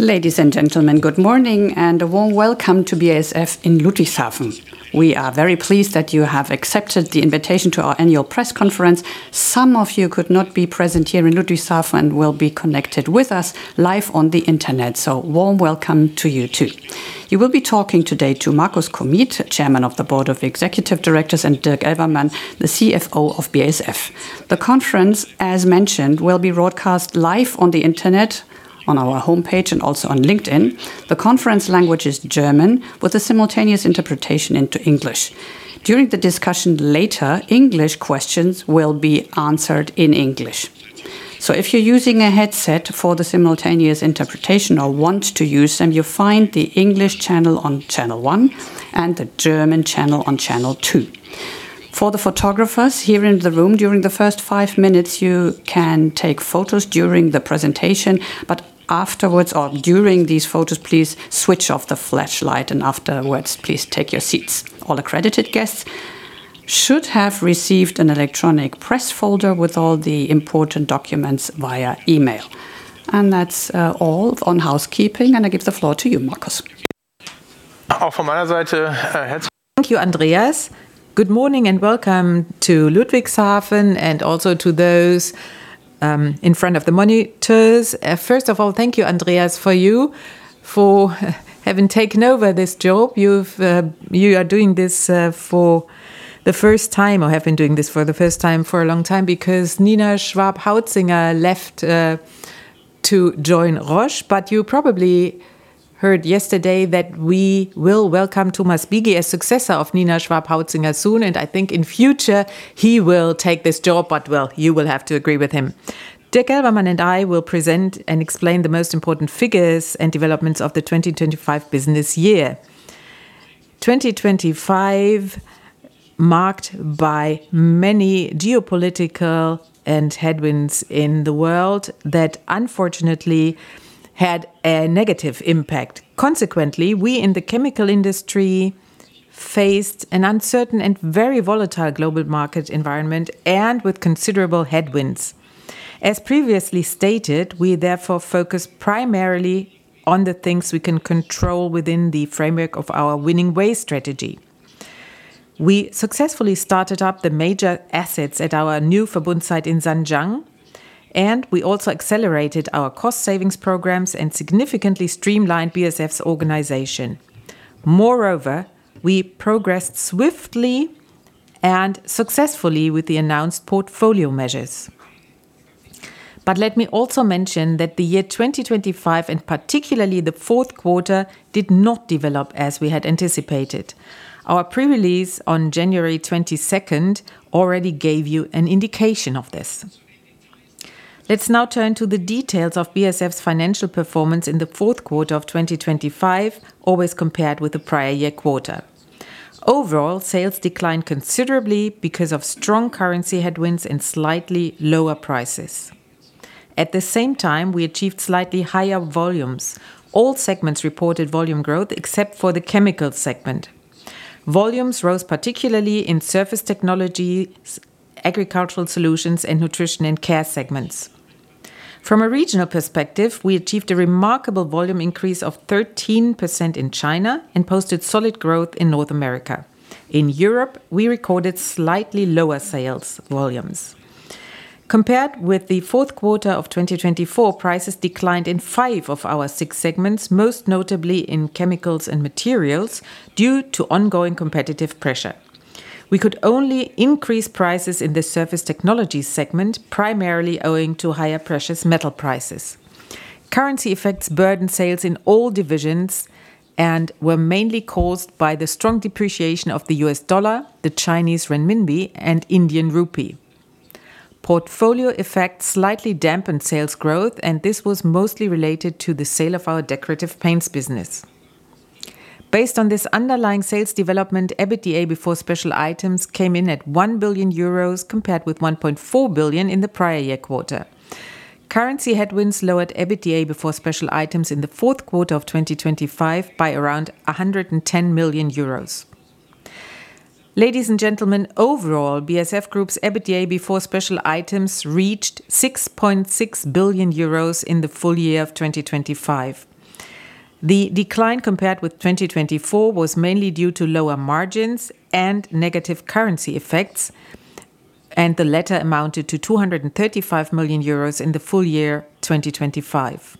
Ladies and gentlemen, good morning, and a warm welcome to BASF in Ludwigshafen. We are very pleased that you have accepted the invitation to our annual press conference. Some of you could not be present here in Ludwigshafen, will be connected with us live on the internet. Warm welcome to you, too. You will be talking today to Markus Kamieth, Chairman of the Board of Executive Directors, and Dirk Elvermann, the CFO of BASF. The conference, as mentioned, will be broadcast live on the internet, on our homepage, and also on LinkedIn. The conference language is German, with a simultaneous interpretation into English. During the discussion later, English questions will be answered in English. If you're using a headset for the simultaneous interpretation or want to use them, you'll find the English channel on channel 1 and the German channel on channel 2. For the photographers here in the room, during the first 5 minutes, you can take photos during the presentation, but afterwards or during these photos, please switch off the flashlight, and afterwards, please take your seats. All accredited guests should have received an electronic press folder with all the important documents via email. That's all on housekeeping, and I give the floor to you, Markus. Thank you, Andreas. Good morning, and welcome to Ludwigshafen, and also to those in front of the monitors. First of all, thank you, Andreas, for you, for having taken over this job. You've, you are doing this for the first time, or have been doing this for the first time for a long time, because Nina Schwab-Hautzinger left to join Roche. You probably heard yesterday that we will welcome Thomas Biegi, a successor of Nina Schwab-Hautzinger, soon. I think in future he will take this job, well, you will have to agree with him. Dirk Elvermann and I will present and explain the most important figures and developments of the 2025 business year. 2025, marked by many geopolitical and headwinds in the world, that unfortunately had a negative impact. Consequently, we in the chemical industry faced an uncertain and very volatile global market environment and with considerable headwinds. As previously stated, we therefore focus primarily on the things we can control within the framework of our Winning Ways strategy. We successfully started up the major assets at our new Verbund site in Zhanjiang, and we also accelerated our cost savings programs and significantly streamlined BASF's organization. We progressed swiftly and successfully with the announced portfolio measures. Let me also mention that the year 2025, and particularly the fourth quarter, did not develop as we had anticipated. Our pre-release on January 22nd already gave you an indication of this. Let's now turn to the details of BASF's financial performance in the fourth quarter of 2025, always compared with the prior year quarter. Overall, sales declined considerably because of strong currency headwinds and slightly lower prices. At the same time, we achieved slightly higher volumes. All segments reported volume growth except for the chemical segment. Volumes rose particularly in surface technologies, Agricultural Solutions, and nutrition and care segments. From a regional perspective, we achieved a remarkable volume increase of 13% in China and posted solid growth in North America. In Europe, we recorded slightly lower sales volumes. Compared with the fourth quarter of 2024, prices declined in five of our six segments, most notably in chemicals and materials, due to ongoing competitive pressure. We could only increase prices in the surface technologies segment, primarily owing to higher precious metal prices. Currency effects burdened sales in all divisions and were mainly caused by the strong depreciation of the U.S. dollar, the Chinese renminbi, and Indian rupee. Portfolio effects slightly dampened sales growth, this was mostly related to the sale of our decorative paints business. Based on this underlying sales development, EBITDA before special items came in at 1 billion euros, compared with 1.4 billion in the prior year quarter. Currency headwinds lowered EBITDA before special items in the fourth quarter of 2025 by around 110 million euros. Ladies and gentlemen, overall, BASF Group's EBITDA before special items reached 6.6 billion euros in the full year of 2025. The decline compared with 2024 was mainly due to lower margins and negative currency effects, and the latter amounted to 235 million euros in the full year 2025.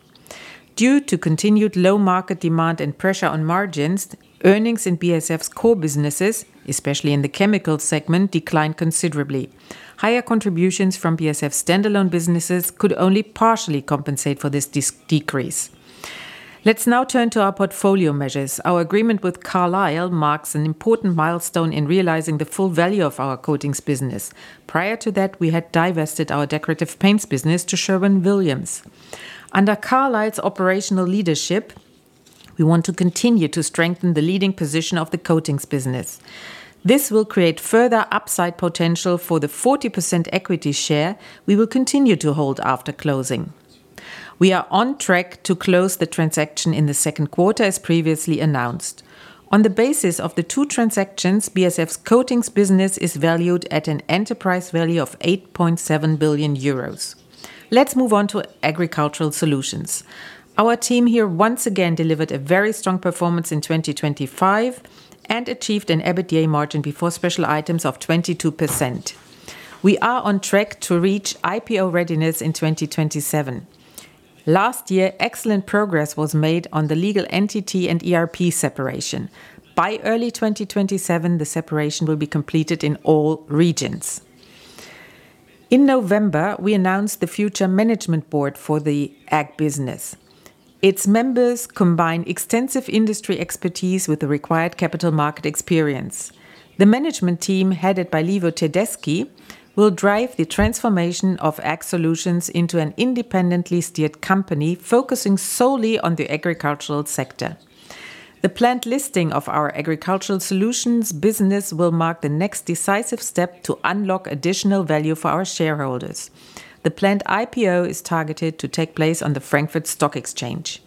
Due to continued low market demand and pressure on margins, earnings in BASF's core businesses, especially in the chemicals segment, declined considerably. Higher contributions from BASF standalone businesses could only partially compensate for this decrease. Let's now turn to our portfolio measures. Our agreement with Carlisle marks an important milestone in realizing the full value of our Coatings business. Prior to that, we had divested our decorative paints business to Sherwin-Williams. Under Carlisle's operational leadership, we want to continue to strengthen the leading position of the Coatings business. This will create further upside potential for the 40% equity share we will continue to hold after closing. We are on track to close the transaction in the second quarter, as previously announced. On the basis of the two transactions, BASF's Coatings business is valued at an enterprise value of 8.7 billion euros. Let's move on to Agricultural Solutions. Our team here once again delivered a very strong performance in 2025, and achieved an EBITDA margin before special items of 22%. We are on track to reach IPO readiness in 2027. Last year, excellent progress was made on the legal entity and ERP separation. By early 2027, the separation will be completed in all regions. In November, we announced the future management board for the Ag business. Its members combine extensive industry expertise with the required capital market experience. The management team, headed by Livio Tedeschi, will drive the transformation of Ag Solutions into an independently steered company, focusing solely on the agricultural sector. The planned listing of our agricultural solutions business will mark the next decisive step to unlock additional value for our shareholders. The planned IPO is targeted to take place on the Frankfurt Stock Exchange.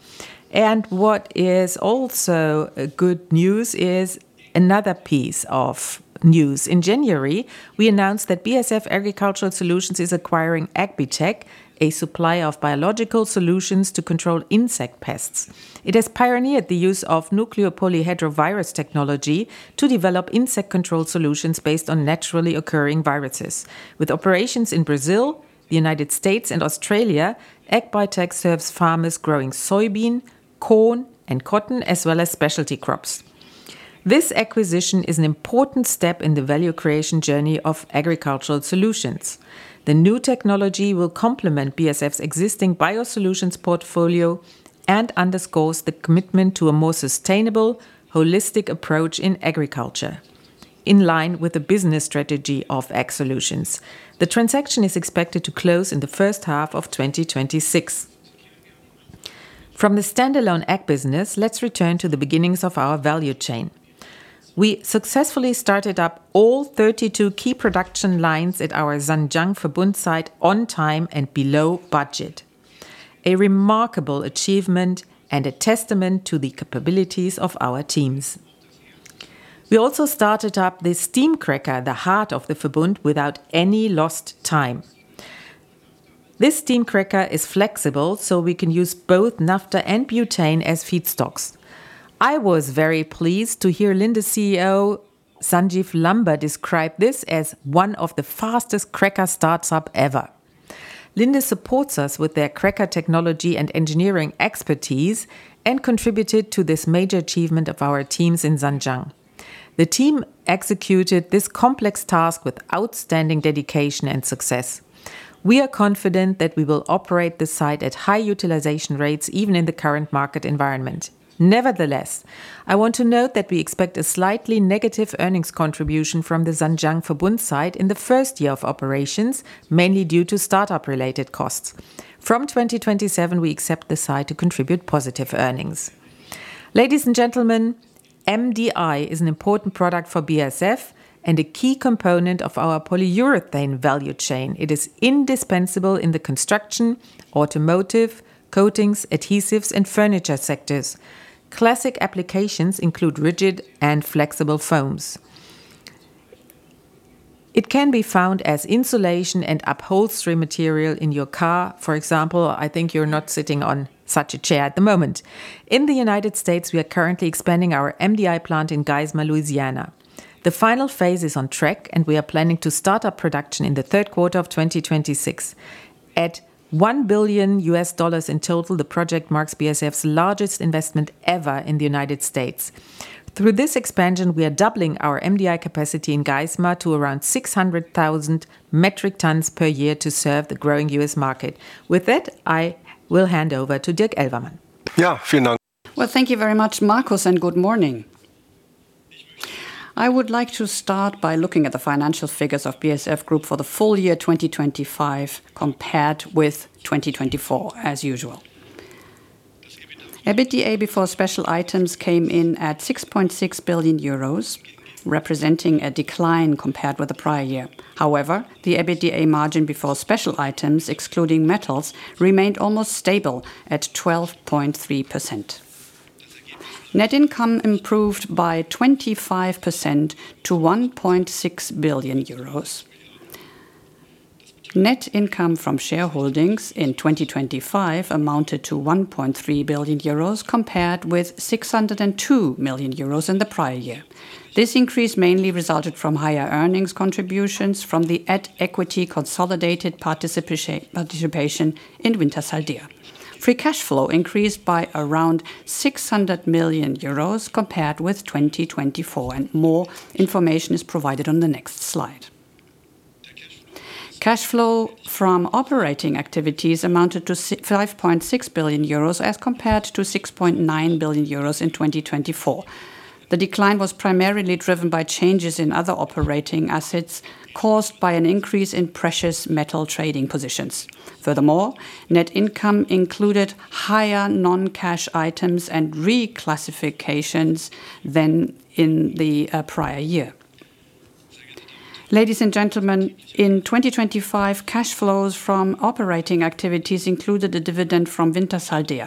What is also good news is another piece of news. In January, we announced that BASF Agricultural Solutions is acquiring AgBiTech, a supplier of biological solutions to control insect pests. It has pioneered the use of nuclear polyhedrovirus technology to develop insect control solutions based on naturally occurring viruses. With operations in Brazil, the United States, and Australia, AgBiTech serves farmers growing soybean, corn, and cotton, as well as specialty crops. This acquisition is an important step in the value creation journey of Agricultural Solutions. The new technology will complement BASF's existing biosolutions portfolio and underscores the commitment to a more sustainable, holistic approach in agriculture, in line with the business strategy of Ag Solutions. The transaction is expected to close in the first half of 2026. From the standalone ag business, let's return to the beginnings of our value chain. We successfully started up all 32 key production lines at our Zhanjiang Verbund site on time and below budget, a remarkable achievement and a testament to the capabilities of our teams. We also started up the steam cracker, the heart of the Verbund, without any lost time. This steam cracker is flexible, so we can use both naphtha and butane as feedstocks. I was very pleased to hear Linde CEO Sanjiv Lamba describe this as one of the fastest cracker startup ever. Linde supports us with their cracker technology and engineering expertise, and contributed to this major achievement of our teams in Zhanjiang. The team executed this complex task with outstanding dedication and success. We are confident that we will operate the site at high utilization rates, even in the current market environment. Nevertheless, I want to note that we expect a slightly negative earnings contribution from the Zhanjiang Verbund site in the first year of operations, mainly due to startup-related costs. From 2027, we accept the site to contribute positive earnings. Ladies and gentlemen, MDI is an important product for BASF and a key component of our polyurethane value chain. It is indispensable in the construction, automotive, Coatings, adhesives, and furniture sectors. Classic applications include rigid and flexible foams. It can be found as insulation and upholstery material in your car. For example, I think you're not sitting on such a chair at the moment. In the United States, we are currently expanding our MDI plant in Geismar, Louisiana. The final phase is on track, and we are planning to start our production in the third quarter of 2026. At $1 billion in total, the project marks BASF's largest investment ever in the United States. Through this expansion, we are doubling our MDI capacity in Geismar to around 600,000 metric tons per year to serve the growing U.S. market. With that, I will hand over to Dirk Elvermann. Yeah, thank you. Well, thank you very much, Markus. Good morning. I would like to start by looking at the financial figures of BASF Group for the full year 2025, compared with 2024, as usual. EBITDA before special items came in at 6.6 billion euros, representing a decline compared with the prior year. The EBITDA margin before special items, excluding metals, remained almost stable at 12.3%. Net income improved by 25% to EUR 1.6 billion. Net income from shareholdings in 2025 amounted to 1.3 billion euros, compared with 602 million euros in the prior year. This increase mainly resulted from higher earnings contributions from the at equity consolidated participation in Wintershall Dea. Free cash flow increased by around 600 million euros compared with 2024. More information is provided on the next slide. Cash flow from operating activities amounted to 5.6 billion euros, as compared to 6.9 billion euros in 2024. The decline was primarily driven by changes in other operating assets, caused by an increase in precious metal trading positions. Furthermore, net income included higher non-cash items and reclassifications than in the prior year. Ladies and gentlemen, in 2025, cash flows from operating activities included a dividend from Wintershall Dea.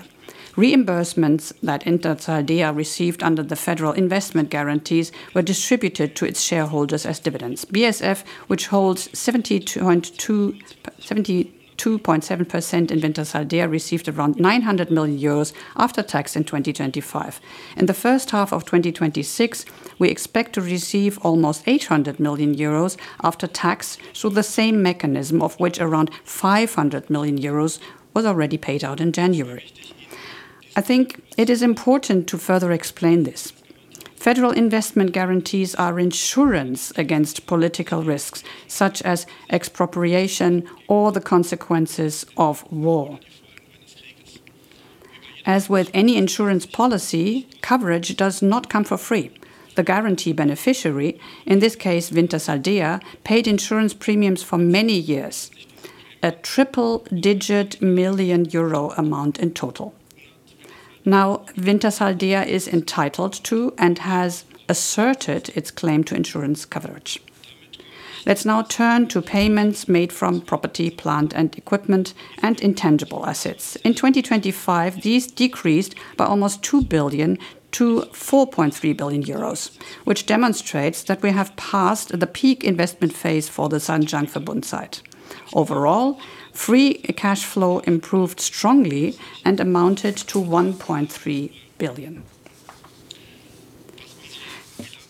Reimbursements that Wintershall Dea received under the federal investment guarantees were distributed to its shareholders as dividends. BASF, which holds 72.7% in Wintershall Dea, received around 900 million euros after tax in 2025. In the first half of 2026, we expect to receive almost 800 million euros after tax through the same mechanism, of which around 500 million euros was already paid out in January. I think it is important to further explain this. Federal investment guarantees are insurance against political risks, such as expropriation or the consequences of war. As with any insurance policy, coverage does not come for free. The guarantee beneficiary, in this case, Wintershall Dea, paid insurance premiums for many years, a triple-digit million euro amount in total. Wintershall Dea is entitled to and has asserted its claim to insurance coverage. Let's now turn to payments made from property, plant, and equipment and intangible assets. In 2025, these decreased by almost 2 billion to 4.3 billion euros, which demonstrates that we have passed the peak investment phase for the Zhanjiang Verbund site. Overall, free cash flow improved strongly and amounted to 1.3 billion.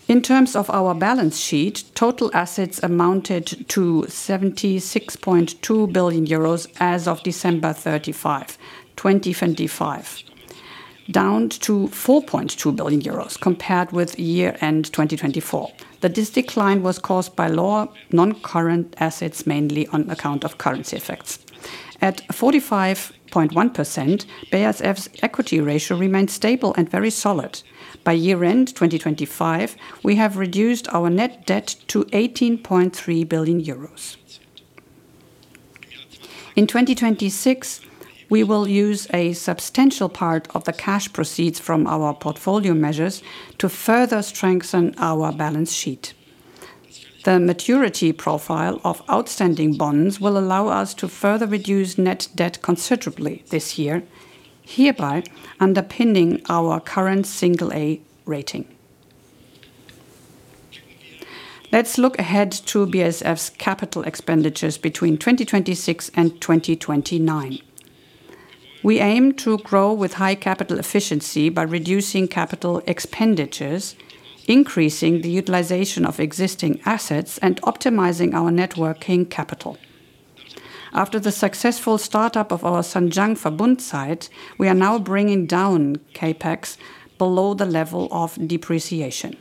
In terms of our balance sheet, total assets amounted to 76.2 billion euros as of December 31st, 2025, down to 4.2 billion euros compared with year-end 2024. That this decline was caused by lower non-current assets, mainly on account of currency effects. At 45.1%, BASF's equity ratio remains stable and very solid. By year-end 2025, we have reduced our net debt to 18.3 billion euros. In 2026, we will use a substantial part of the cash proceeds from our portfolio measures to further strengthen our balance sheet. The maturity profile of outstanding bonds will allow us to further reduce net debt considerably this year, hereby underpinning our current single A rating. Let's look ahead to BASF's capital expenditures between 2026 and 2029. We aim to grow with high capital efficiency by reducing capital expenditures, increasing the utilization of existing assets, and optimizing our net working capital. After the successful startup of our Zhanjiang Verbund site, we are now bringing down CapEx below the level of depreciation.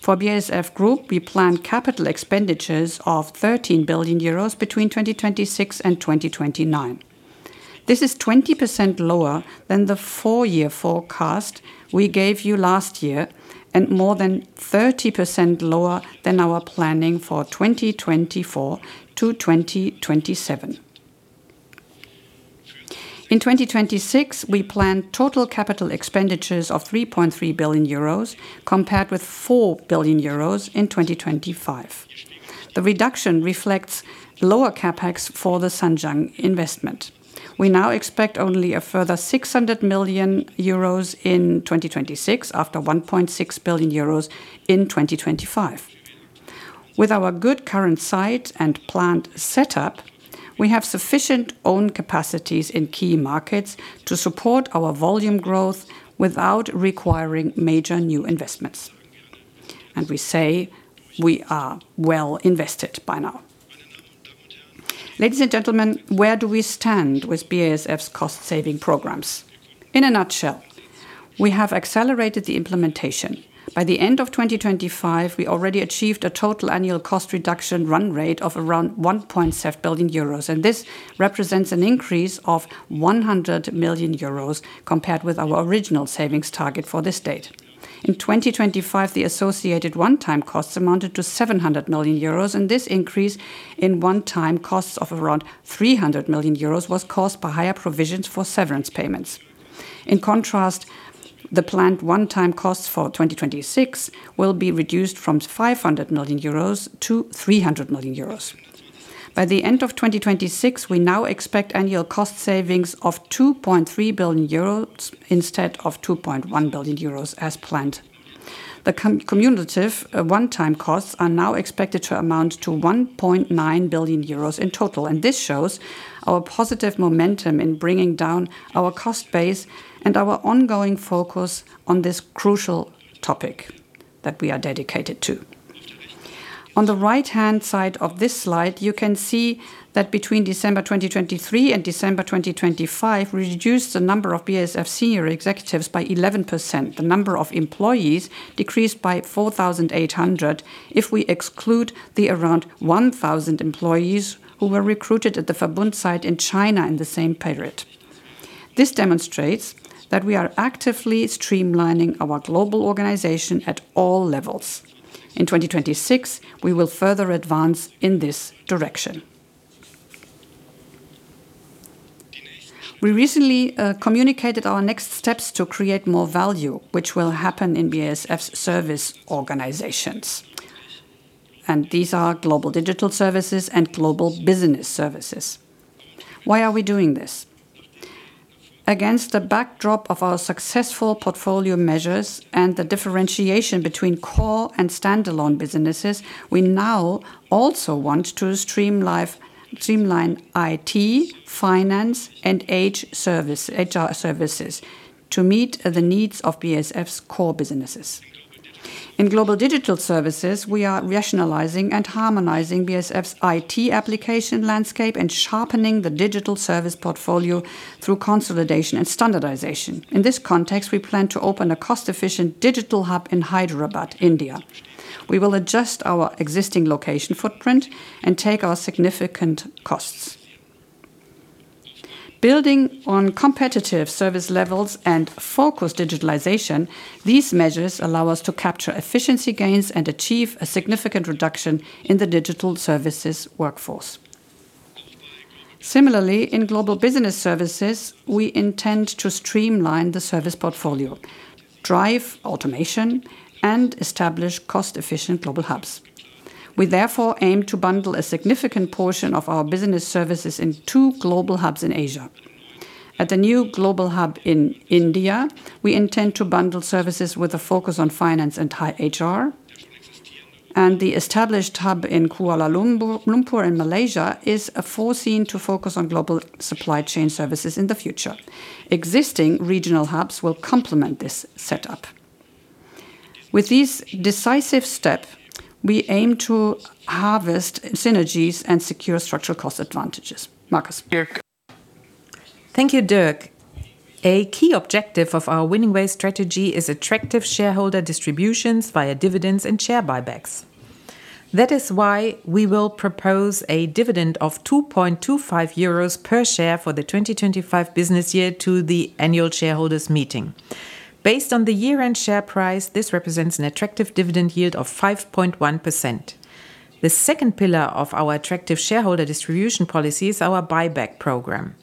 For BASF Group, we plan capital expenditures of 13 billion euros between 2026 and 2029. This is 20% lower than the four-year forecast we gave you last year, and more than 30% lower than our planning for 2024 to 2027. In 2026, we plan total capital expenditures of 3.3 billion euros, compared with 4 billion euros in 2025. The reduction reflects lower CapEx for the Zhanjiang investment. We now expect only a further 600 million euros in 2026, after 1.6 billion euros in 2025. With our good current site and plant setup, we have sufficient own capacities in key markets to support our volume growth without requiring major new investments, and we say we are well invested by now. Ladies and gentlemen, where do we stand with BASF's cost-saving programs? In a nutshell, we have accelerated the implementation. By the end of 2025, we already achieved a total annual cost reduction run rate of around 1.7 billion euros, and this represents an increase of 100 million euros compared with our original savings target for this date. In 2025, the associated one-time costs amounted to 700 million euros, and this increase in one-time costs of around 300 million euros was caused by higher provisions for severance payments. In contrast, the planned one-time costs for 2026 will be reduced from 500 million euros to 300 million euros. By the end of 2026, we now expect annual cost savings of 2.3 billion euros instead of 2.1 billion euros as planned. The cumulative one-time costs are now expected to amount to 1.9 billion euros in total. This shows our positive momentum in bringing down our cost base and our ongoing focus on this crucial topic that we are dedicated to. On the right-hand side of this slide, you can see that between December 2023 and December 2025, we reduced the number of BASF senior executives by 11%. The number of employees decreased by 4,800, if we exclude the around 1,000 employees who were recruited at the Verbund site in China in the same period. This demonstrates that we are actively streamlining our global organization at all levels. In 2026, we will further advance in this direction. We recently communicated our next steps to create more value, which will happen in BASF's service organizations. These are global digital services and global business services. Why are we doing this? Against the backdrop of our successful portfolio measures and the differentiation between core and standalone businesses, we now also want to streamline IT, finance, and HR services, to meet the needs of BASF's core businesses. In global digital services, we are rationalizing and harmonizing BASF's IT application landscape and sharpening the digital service portfolio through consolidation and standardization. In this context, we plan to open a cost-efficient digital hub in Hyderabad, India. We will adjust our existing location footprint and take our significant costs. Building on competitive service levels and focused digitalization, these measures allow us to capture efficiency gains and achieve a significant reduction in the digital services workforce. Similarly, in Global Business Services, we intend to streamline the service portfolio, drive automation, and establish cost-efficient global hubs. We therefore aim to bundle a significant portion of our business services in two global hubs in Asia. At the new global hub in India, we intend to bundle services with a focus on finance and high HR. The established hub in Kuala Lumpur in Malaysia is foreseen to focus on global supply chain services in the future. Existing regional hubs will complement this setup. With this decisive step, we aim to harvest synergies and secure structural cost advantages. Markus? Thank you, Dirk. A key objective of our Winning Ways strategy is attractive shareholder distributions via dividends and share buybacks. That is why we will propose a dividend of 2.25 euros per share for the 2025 business year to the annual shareholders meeting. Based on the year-end share price, this represents an attractive dividend yield of 5.1%. The second pillar of our attractive shareholder distribution policy is our buyback program.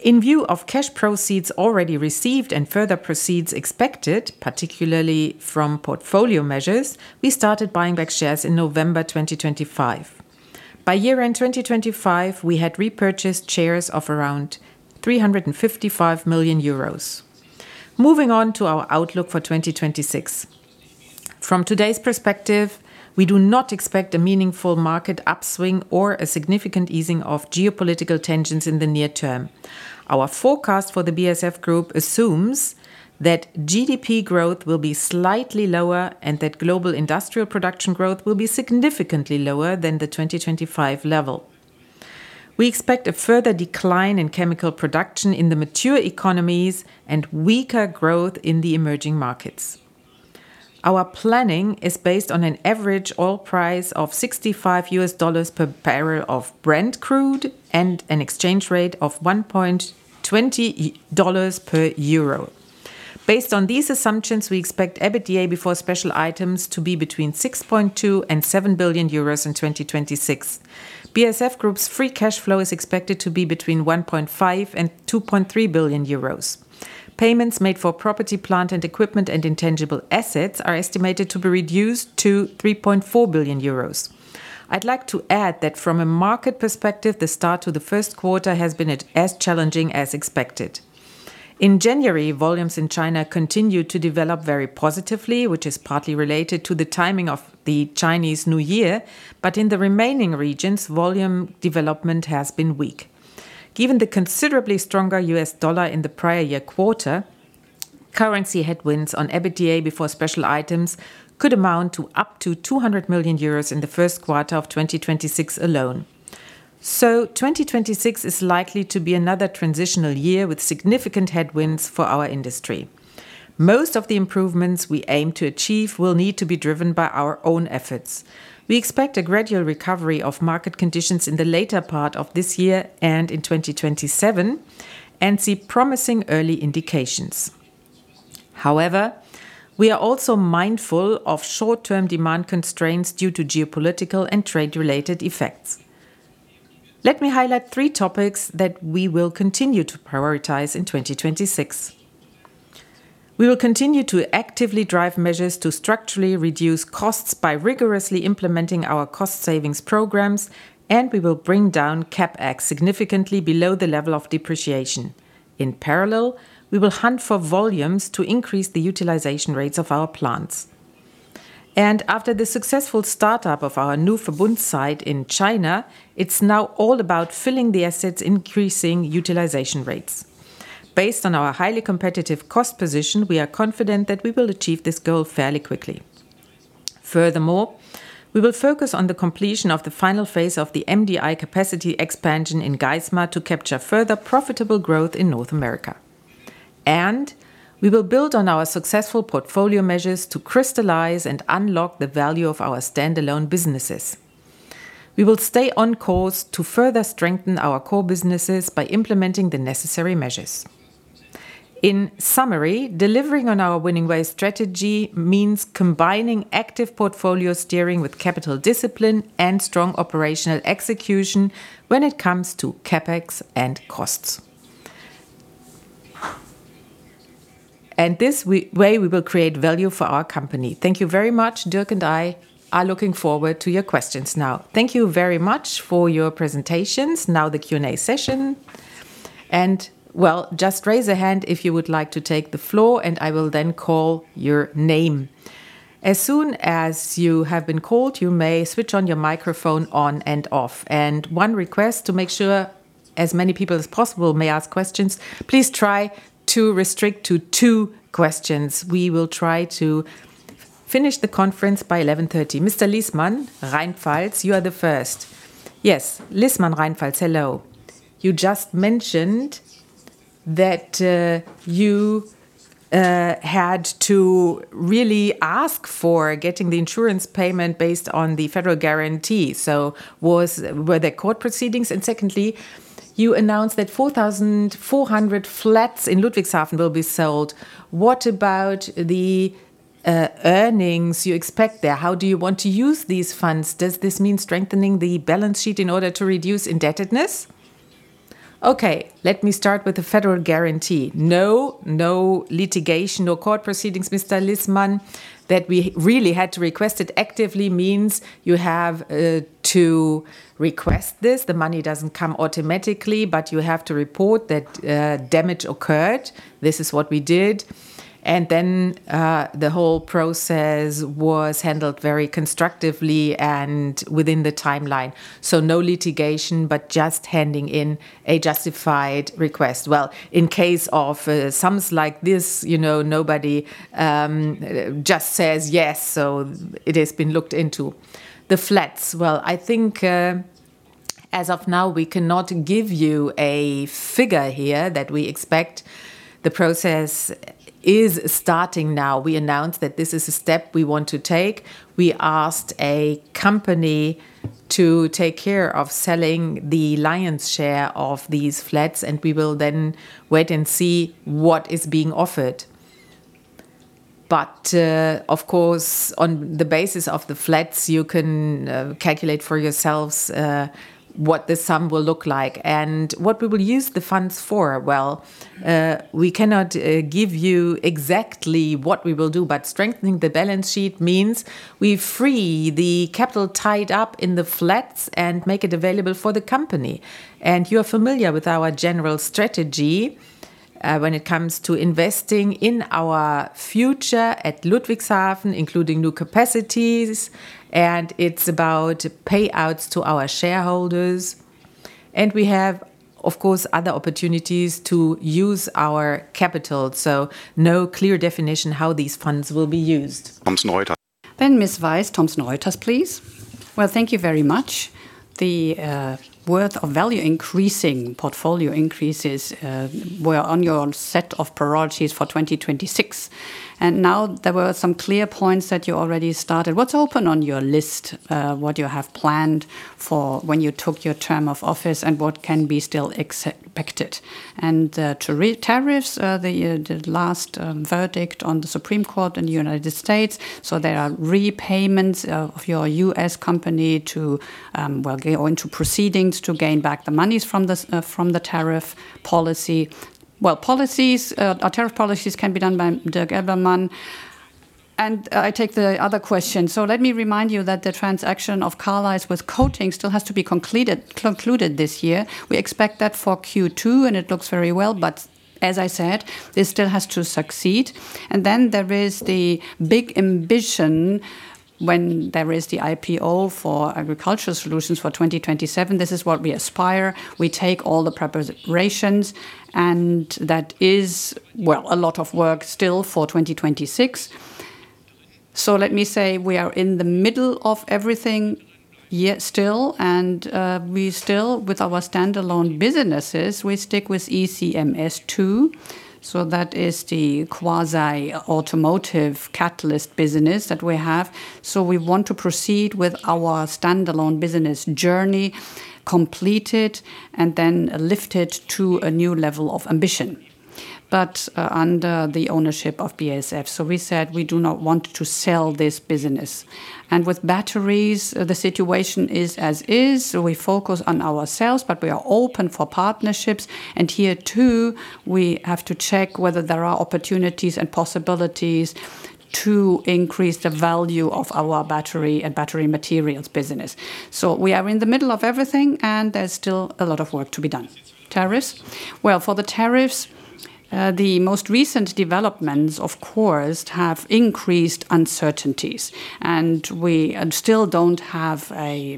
In view of cash proceeds already received and further proceeds expected, particularly from portfolio measures, we started buying back shares in November 2025. By year-end 2025, we had repurchased shares of around 355 million euros. Moving on to our outlook for 2026. From today's perspective, we do not expect a meaningful market upswing or a significant easing of geopolitical tensions in the near term. Our forecast for the BASF Group assumes that GDP growth will be slightly lower and that global industrial production growth will be significantly lower than the 2025 level. We expect a further decline in chemical production in the mature economies and weaker growth in the emerging markets. Our planning is based on an average oil price of $65 per barrel of Brent crude and an exchange rate of $1.20 per EUR. Based on these assumptions, we expect EBITDA before special items to be between 6.2 billion and 7 billion euros in 2026. BASF Group's free cash flow is expected to be between 1.5 billion and 2.3 billion euros. Payments made for property, plant and equipment and intangible assets are estimated to be reduced to 3.4 billion euros. I'd like to add that from a market perspective, the start to the first quarter has been as challenging as expected. In January, volumes in China continued to develop very positively, which is partly related to the timing of the Chinese New Year, but in the remaining regions, volume development has been weak. Given the considerably stronger U.S. dollar in the prior year quarter, currency headwinds on EBITDA before special items could amount to up to 200 million euros in the first quarter of 2026 alone. 2026 is likely to be another transitional year with significant headwinds for our industry. Most of the improvements we aim to achieve will need to be driven by our own efforts. We expect a gradual recovery of market conditions in the later part of this year and in 2027, and see promising early indications. However, we are also mindful of short-term demand constraints due to geopolitical and trade-related effects. Let me highlight three topics that we will continue to prioritize in 2026. We will continue to actively drive measures to structurally reduce costs by rigorously implementing our cost savings programs, and we will bring down CapEx significantly below the level of depreciation. In parallel, we will hunt for volumes to increase the utilization rates of our plants. After the successful startup of our new Verbund site in China, it's now all about filling the assets, increasing utilization rates. Based on our highly competitive cost position, we are confident that we will achieve this goal fairly quickly. Furthermore, we will focus on the completion of the final phase of the MDI capacity expansion in Geismar to capture further profitable growth in North America. We will build on our successful portfolio measures to crystallize and unlock the value of our standalone businesses. We will stay on course to further strengthen our core businesses by implementing the necessary measures. In summary, delivering on our Winning Way strategy means combining active portfolio steering with capital discipline and strong operational execution when it comes to CapEx and costs. This way we will create value for our company. Thank you very much. Dirk and I are looking forward to your questions now. Thank you very much for your presentations. Now the Q&A session. Well, just raise a hand if you would like to take the floor, and I will then call your name. As soon as you have been called, you may switch on your microphone on and off. One request: to make sure as many people as possible may ask questions, please try to restrict to two questions. We will try to finish the conference by 11:30. Mr. Liessmann, Rheinpfalz, you are the first. Yes, Liessmann, Rheinpfalz, hello. You just mentioned that you had to really ask for getting the insurance payment based on the federal guarantee. Were there court proceedings? Secondly, you announced that 4,400 flats in Ludwigshafen will be sold. What about the earnings you expect there? How do you want to use these funds? Does this mean strengthening the balance sheet in order to reduce indebtedness? Let me start with the federal guarantee. No, no litigation, no court proceedings, Mr. Liessmann. That we really had to request it actively means you have to request this. The money doesn't come automatically, but you have to report that damage occurred. This is what we did, and then the whole process was handled very constructively and within the timeline. No litigation, but just handing in a justified request. Well, in case of sums like this, you know, nobody just says yes, so it has been looked into. The flats, well, I think as of now, we cannot give you a figure here that we expect. The process is starting now. We announced that this is a step we want to take. We asked a company to take care of selling the lion's share of these flats, and we will then wait and see what is being offered. Of course, on the basis of the flats, you can calculate for yourselves what the sum will look like. What we will use the funds for, well, we cannot give you exactly what we will do, but strengthening the balance sheet means we free the capital tied up in the flats and make it available for the company. You are familiar with our general strategy when it comes to investing in our future at Ludwigshafen, including new capacities, and it's about payouts to our shareholders. We have, of course, other opportunities to use our capital, so no clear definition how these funds will be used. Thomson Reuters. Ms. Weiß, Thomson Reuters, please. Well, thank you very much. The worth or value increasing portfolio increases were on your set of priorities for 2026, and now there were some clear points that you already started. What's open on your list, what you have planned for when you took your term of office and what can be still expected? To tariffs, the last verdict on the Supreme Court in the United States, so there are repayments of your U.S. company to well, go into proceedings to gain back the monies from the tariff policy. Well, policies, or tariff policies can be done by Dirk Elvermann. I take the other question. Let me remind you that the transaction of Carlisle with Coatings still has to be completed, concluded this year. We expect that for Q2, and it looks very well, but as I said, this still has to succeed. Then there is the big ambition when there is the IPO for Agricultural Solutions for 2027. This is what we aspire. We take all the preparations, that is, well, a lot of work still for 2026. Let me say, we are in the middle of everything, yet still, and we still, with our standalone businesses, we stick with ECMS, too. That is the quasi-automotive catalyst business that we have. We want to proceed with our standalone business journey completed and then lifted to a new level of ambition, but under the ownership of BASF. We said we do not want to sell this business. With batteries, the situation is as is, so we focus on our sales, but we are open for partnerships. Here, too, we have to check whether there are opportunities and possibilities to increase the value of our battery and battery materials business. We are in the middle of everything, and there's still a lot of work to be done. Tariffs? Well, for the tariffs, the most recent developments, of course, have increased uncertainties, and we still don't have a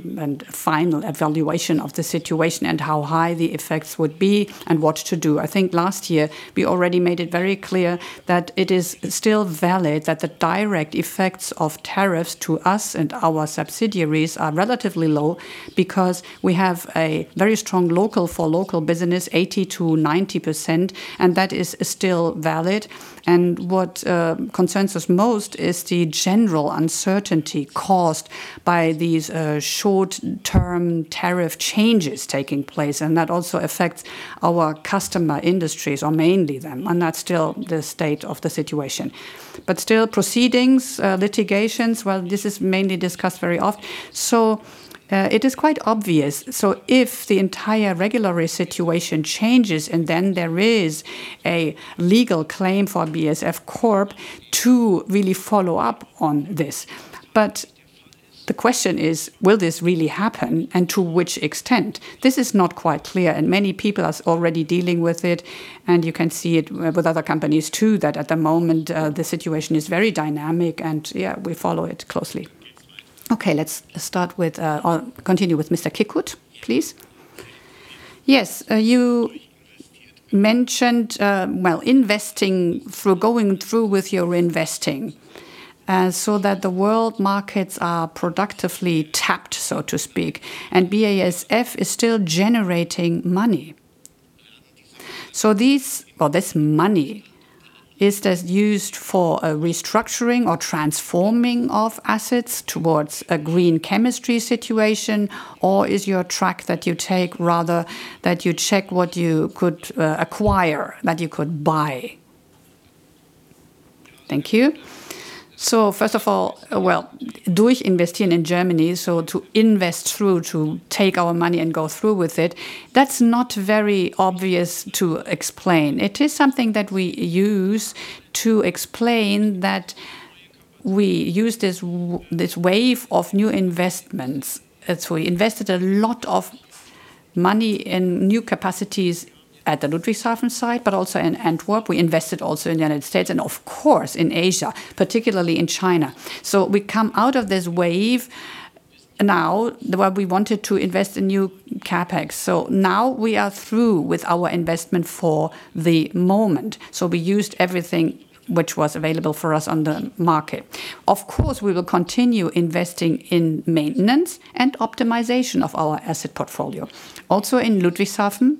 final evaluation of the situation and how high the effects would be and what to do. I think last year we already made it very clear that it is still valid, that the direct effects of tariffs to us and our subsidiaries are relatively low because we have a very strong local for local business, 80%-90%, and that is still valid. What concerns us most is the general uncertainty caused by these short-term tariff changes taking place, and that also affects our customer industries, or mainly them, and that's still the state of the situation. Still, proceedings, litigations, well, this is mainly discussed very often, so it is quite obvious. If the entire regulatory situation changes, and then there is a legal claim for BASF Corporation to really follow up on this. The question is, will this really happen, and to which extent? This is not quite clear, and many people are already dealing with it, and you can see it with other companies, too, that at the moment, the situation is very dynamic, and yeah, we follow it closely. Okay, let's start with, or continue with Mr. Kikut, please. Yes, you mentioned, going through with your investing, so that the world markets are productively tapped, so to speak, and BASF is still generating money. This money, is this used for a restructuring or transforming of assets towards a green chemistry situation? Is your track that you take rather that you check what you could acquire, that you could buy? Thank you. First of all, Durchinvestieren in Germany, so to invest through, to take our money and go through with it, that's not very obvious to explain. It is something that we use to explain that we use this wave of new investments. We invested a lot of money in new capacities at the Ludwigshafen site, but also in Antwerp. We invested also in the United States and, of course, in Asia, particularly in China. We come out of this wave now, where we wanted to invest in new CapEx. Now we are through with our investment for the moment. We used everything which was available for us on the market. Of course, we will continue investing in maintenance and optimization of our asset portfolio. In Ludwigshafen,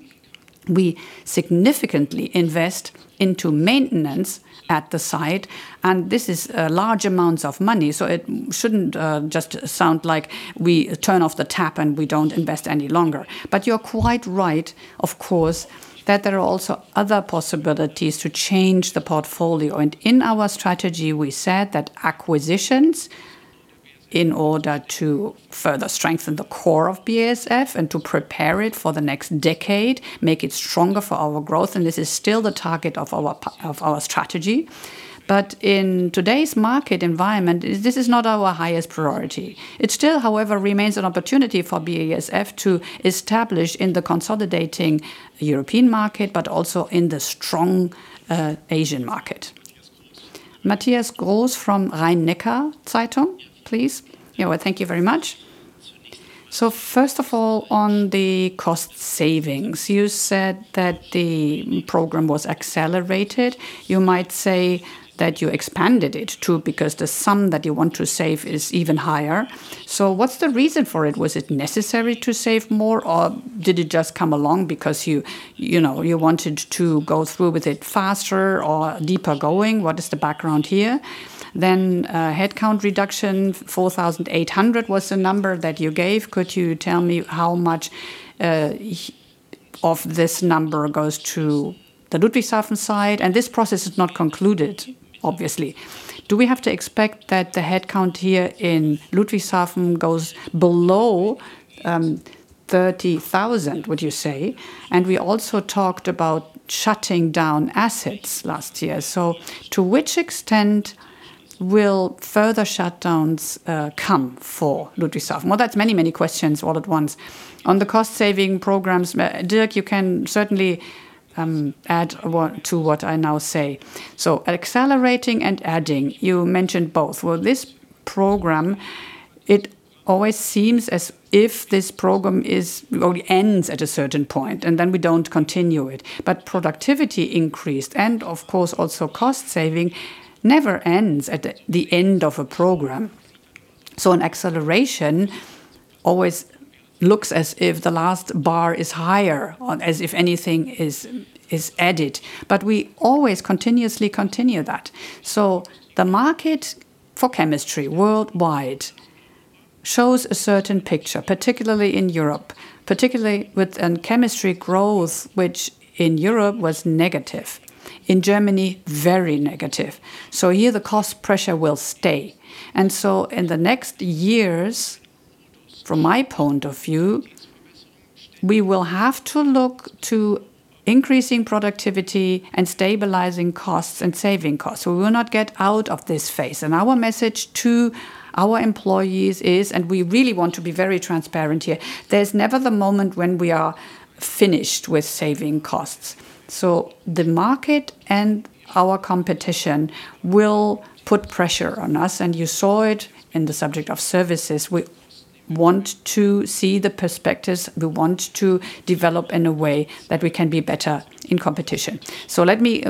we significantly invest into maintenance at the site, and this is large amounts of money, so it shouldn't just sound like we turn off the tap and we don't invest any longer. You're quite right, of course, that there are also other possibilities to change the portfolio. In our strategy, we said that acquisitions, in order to further strengthen the core of BASF and to prepare it for the next decade, make it stronger for our growth, and this is still the target of our of our strategy. In today's market environment, this is not our highest priority. It still, however, remains an opportunity for BASF to establish in the consolidating European market, but also in the strong Asian market. Matthias Gross from Rhein-Neckar-Zeitung, please. Well, thank you very much. First of all, on the cost savings, you said that the program was accelerated. You might say that you expanded it, too, because the sum that you want to save is even higher. What's the reason for it? Was it necessary to save more, or did it just come along because you know, you wanted to go through with it faster or deeper going? What is the background here? Headcount reduction, 4,800 was the number that you gave. Could you tell me how much of this number goes to the Ludwigshafen side? This process is not concluded, obviously. Do we have to expect that the headcount here in Ludwigshafen goes below 30,000, would you say? We also talked about shutting down assets last year. To which extent will further shutdowns come for Ludwigshafen? Well, that's many, many questions all at once. On the cost-saving programs, Dirk, you can certainly add what, to what I now say. Accelerating and adding, you mentioned both. This program, it always seems as if this program is, only ends at a certain point, and then we don't continue it. Productivity increased, and of course, also cost saving never ends at the end of a program. An acceleration always looks as if the last bar is higher on, as if anything is added. We always continuously continue that. The market for chemistry worldwide shows a certain picture, particularly in Europe, particularly with chemistry growth, which in Europe was negative. In Germany, very negative. Here, the cost pressure will stay. In the next years, from my point of view, we will have to look to increasing productivity and stabilizing costs and saving costs. We will not get out of this phase. Our message to our employees is, and we really want to be very transparent here, there's never the moment when we are finished with saving costs. The market and our competition will put pressure on us, and you saw it in the subject of services. We want to see the perspectives, we want to develop in a way that we can be better in competition. Let me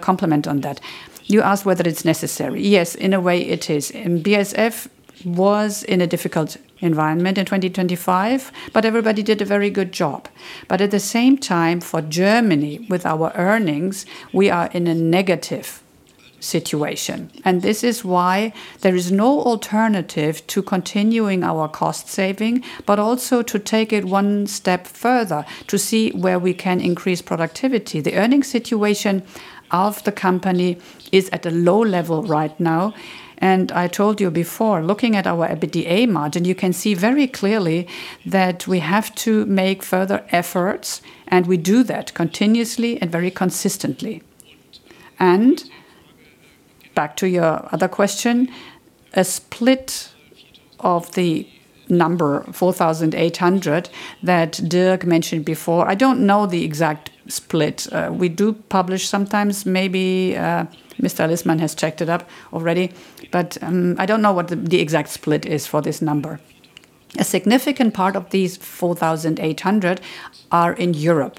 complement on that. You asked whether it's necessary. Yes, in a way it is. BASF was in a difficult environment in 2025, but everybody did a very good job. At the same time, for Germany, with our earnings, we are in a negative situation, and this is why there is no alternative to continuing our cost saving, but also to take it 1 step further, to see where we can increase productivity. The earning situation of the company is at a low level right now, and I told you before, looking at our EBITDA margin, you can see very clearly that we have to make further efforts, and we do that continuously and very consistently. Back to your other question, a split of the number, 4,800, that Dirk mentioned before, I don't know the exact split. We do publish sometimes, maybe Mr. Lissmann has checked it up already, but I don't know what the exact split is for this number. A significant part of these 4,800 are in Europe,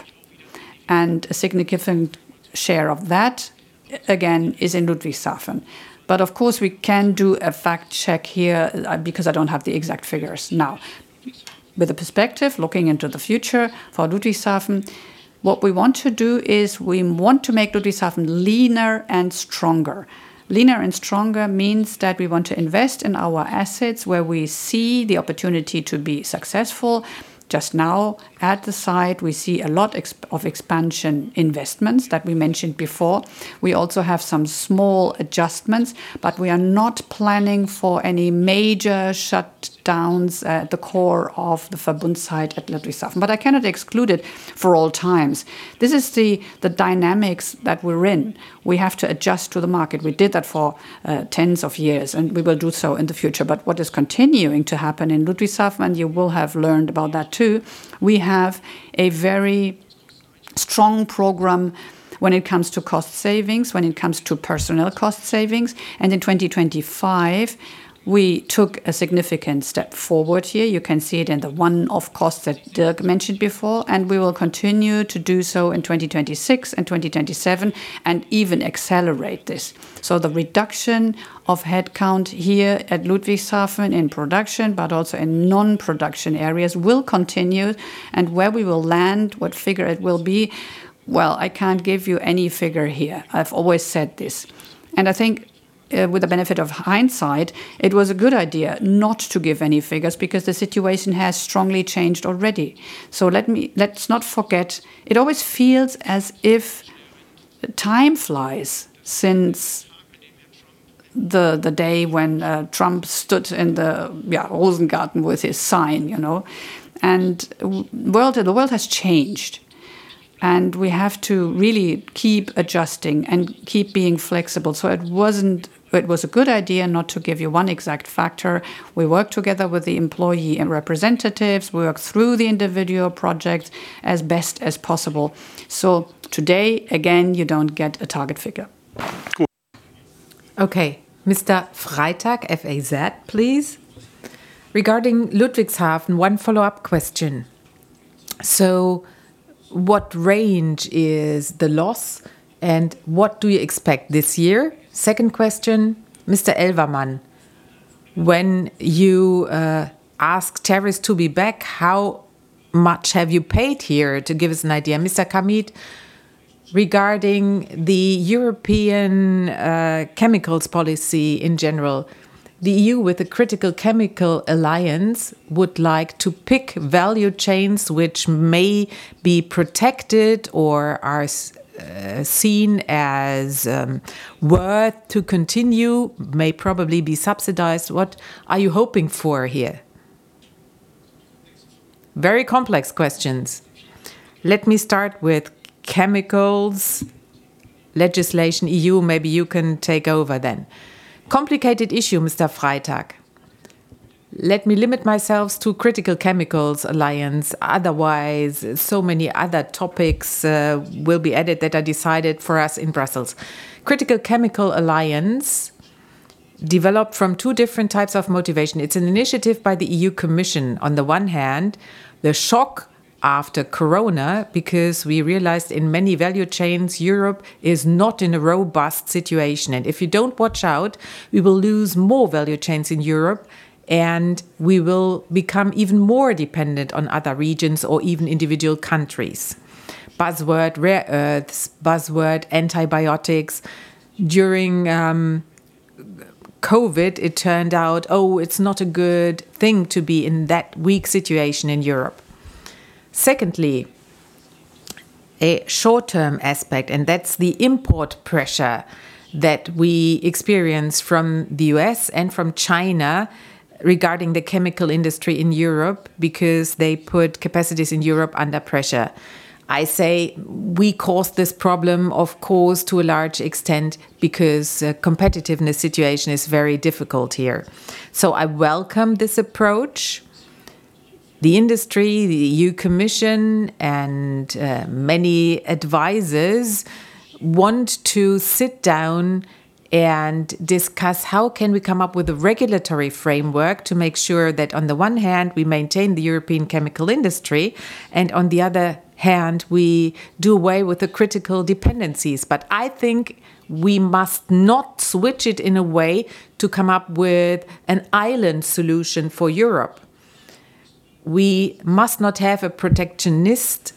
and a significant share of that, again, is in Ludwigshafen. Of course, we can do a fact check here, because I don't have the exact figures now. With a perspective, looking into the future for Ludwigshafen, what we want to do is we want to make Ludwigshafen leaner and stronger. Leaner and stronger means that we want to invest in our assets where we see the opportunity to be successful. Just now, at the site, we see a lot. of expansion investments that we mentioned before. We also have some small adjustments. We are not planning for any major shutdowns at the core of the Verbund site at Ludwigshafen, I cannot exclude it for all times. This is the dynamics that we're in. We have to adjust to the market. We did that for tens of years. We will do so in the future. What is continuing to happen in Ludwigshafen, you will have learned about that, too. We have a very strong program when it comes to cost savings, when it comes to personnel cost savings. In 2025, we took a significant step forward here. You can see it in the one-off costs that Dirk mentioned before. We will continue to do so in 2026 and 2027. Even accelerate this. The reduction of headcount here at Ludwigshafen in production, but also in non-production areas, will continue, and where we will land, what figure it will be, well, I can't give you any figure here. I've always said this. I think with the benefit of hindsight, it was a good idea not to give any figures, because the situation has strongly changed already. Let's not forget, it always feels as if time flies since the day when Trump stood in the Rosengarten with his sign, you know? The world has changed, and we have to really keep adjusting and keep being flexible. It was a good idea not to give you one exact factor. We work together with the employee and representatives. We work through the individual projects as best as possible. Today, again, you don't get a target figure. Cool. Mr. Freitag, FAZ, please. Regarding Ludwigshafen, one follow-up question: What range is the loss, and what do you expect this year? Second question, Mr. Elvermann, when you asked tariffs to be back, how much have you paid here, to give us an idea? Mr. Kamieth, regarding the European chemicals policy in general, the EU, with the Critical Chemicals Alliance, would like to pick value chains which may be protected or are seen as worth to continue, may probably be subsidized. What are you hoping for here? Very complex questions. Let me start with chemicals legislation. EU, maybe you can take over then. Complicated issue, Mr. Freitag. Let me limit myself to Critical Chemicals Alliance. Otherwise, so many other topics will be added that are decided for us in Brussels. Critical Chemicals Alliance developed from two different types of motivation. It's an initiative by the European Commission. On the one hand, the shock after Corona, because we realized in many value chains, Europe is not in a robust situation, and if you don't watch out, we will lose more value chains in Europe, and we will become even more dependent on other regions or even individual countries. Buzzword, rare earths. Buzzword, antibiotics. During COVID, it turned out, oh, it's not a good thing to be in that weak situation in Europe. Secondly, a short-term aspect, and that's the import pressure that we experience from the U.S. and from China regarding the chemical industry in Europe, because they put capacities in Europe under pressure. I say we caused this problem, of course, to a large extent, because competitiveness situation is very difficult here. I welcome this approach. The industry, the European Commission, and many advisers want to sit down and discuss how can we come up with a regulatory framework to make sure that on the one hand, we maintain the European chemical industry, and on the other hand, we do away with the critical dependencies. I think we must not switch it in a way to come up with an island solution for Europe. We must not have a protectionist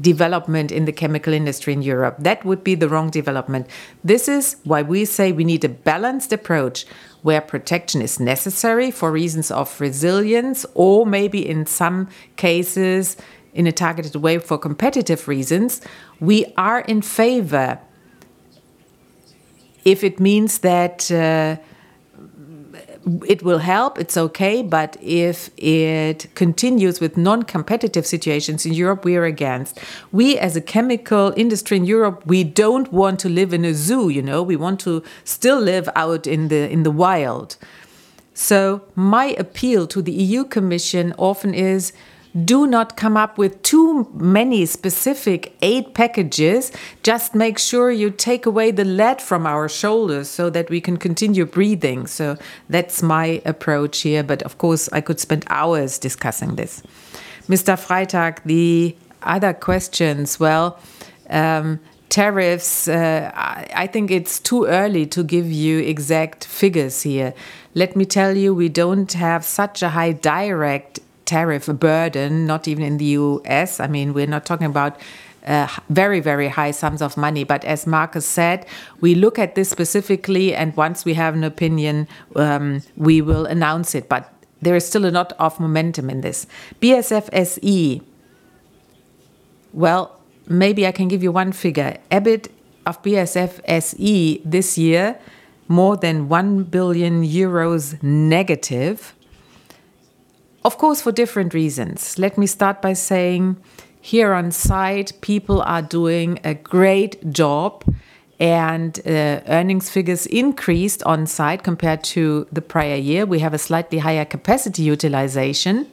development in the chemical industry in Europe. That would be the wrong development. This is why we say we need a balanced approach, where protection is necessary for reasons of resilience, or maybe in some cases, in a targeted way, for competitive reasons. We are in favor. If it means that, it will help, it's okay. If it continues with non-competitive situations in Europe, we are against. We, as a chemical industry in Europe, we don't want to live in a zoo, you know? We want to still live out in the, in the wild. My appeal to the European Commission often is, do not come up with too many specific aid packages, just make sure you take away the lead from our shoulders so that we can continue breathing. That's my approach here. Of course, I could spend hours discussing this. Mr. Freitag, the other questions, well, tariffs, I think it's too early to give you exact figures here. Let me tell you, we don't have such a high direct tariff burden, not even in the U.S.. I mean, we're not talking about very, very high sums of money. As Markus said, we look at this specifically, and once we have an opinion, we will announce it, but there is still a lot of momentum in this. BASF SE, well, maybe I can give you one figure. EBIT of BASF SE this year, more than 1 billion euros negative, of course, for different reasons. Let me start by saying, here on site, people are doing a great job, and earnings figures increased on site compared to the prior year. We have a slightly higher capacity utilization,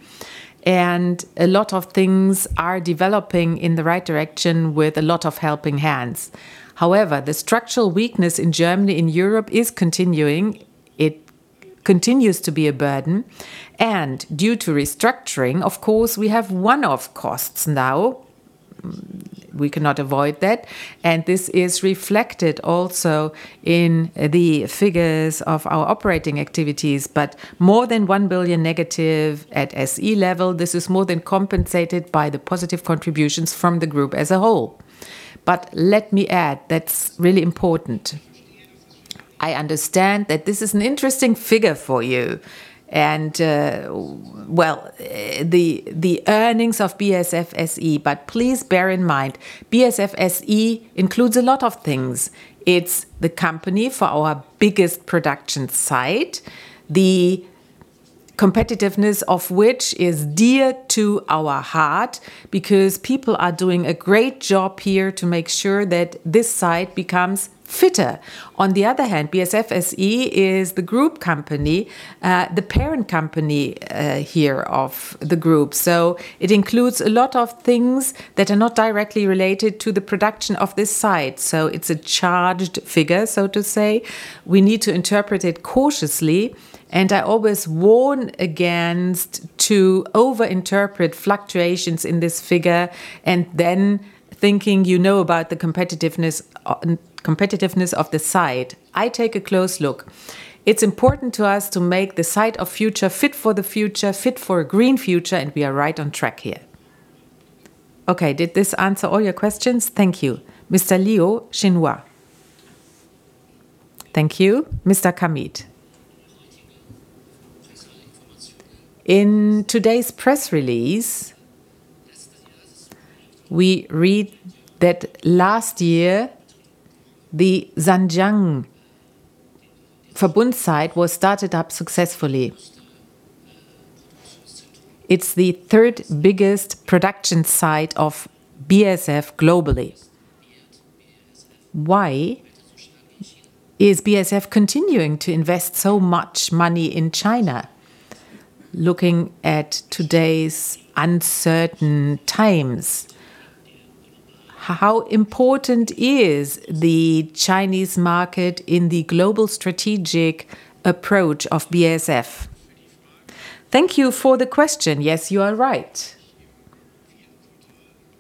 and a lot of things are developing in the right direction with a lot of helping hands. However, the structural weakness in Germany, in Europe, is continuing. It continues to be a burden, and due to restructuring, of course, we have one-off costs now. We cannot avoid that. This is reflected also in the figures of our operating activities. More than 1 billion negative at SE level, this is more than compensated by the positive contributions from the group as a whole. Let me add, that's really important. I understand that this is an interesting figure for you, well, the earnings of BASF SE. Please bear in mind, BASF SE includes a lot of things. It's the company for our biggest production site, the competitiveness of which is dear to our heart because people are doing a great job here to make sure that this site becomes fitter. On the other hand, BASF SE is the group company, the parent company here of the group. It includes a lot of things that are not directly related to the production of this site, so it's a charged figure, so to say. We need to interpret it cautiously. I always warn against to overinterpret fluctuations in this figure and then thinking you know about the competitiveness of the site. I take a close look. It's important to us to make the site of future fit for the future, fit for a green future, and we are right on track here. Did this answer all your questions? Thank you. Mr. Liu, Xinhua. Thank you. Mr. Kamieth. In today's press release, we read that last year, the Zhanjiang Verbund site was started up successfully. It's the third-biggest production site of BASF globally. Why is BASF continuing to invest so much money in China, looking at today's uncertain times? How important is the Chinese market in the global strategic approach of BASF? Thank you for the question. Yes, you are right.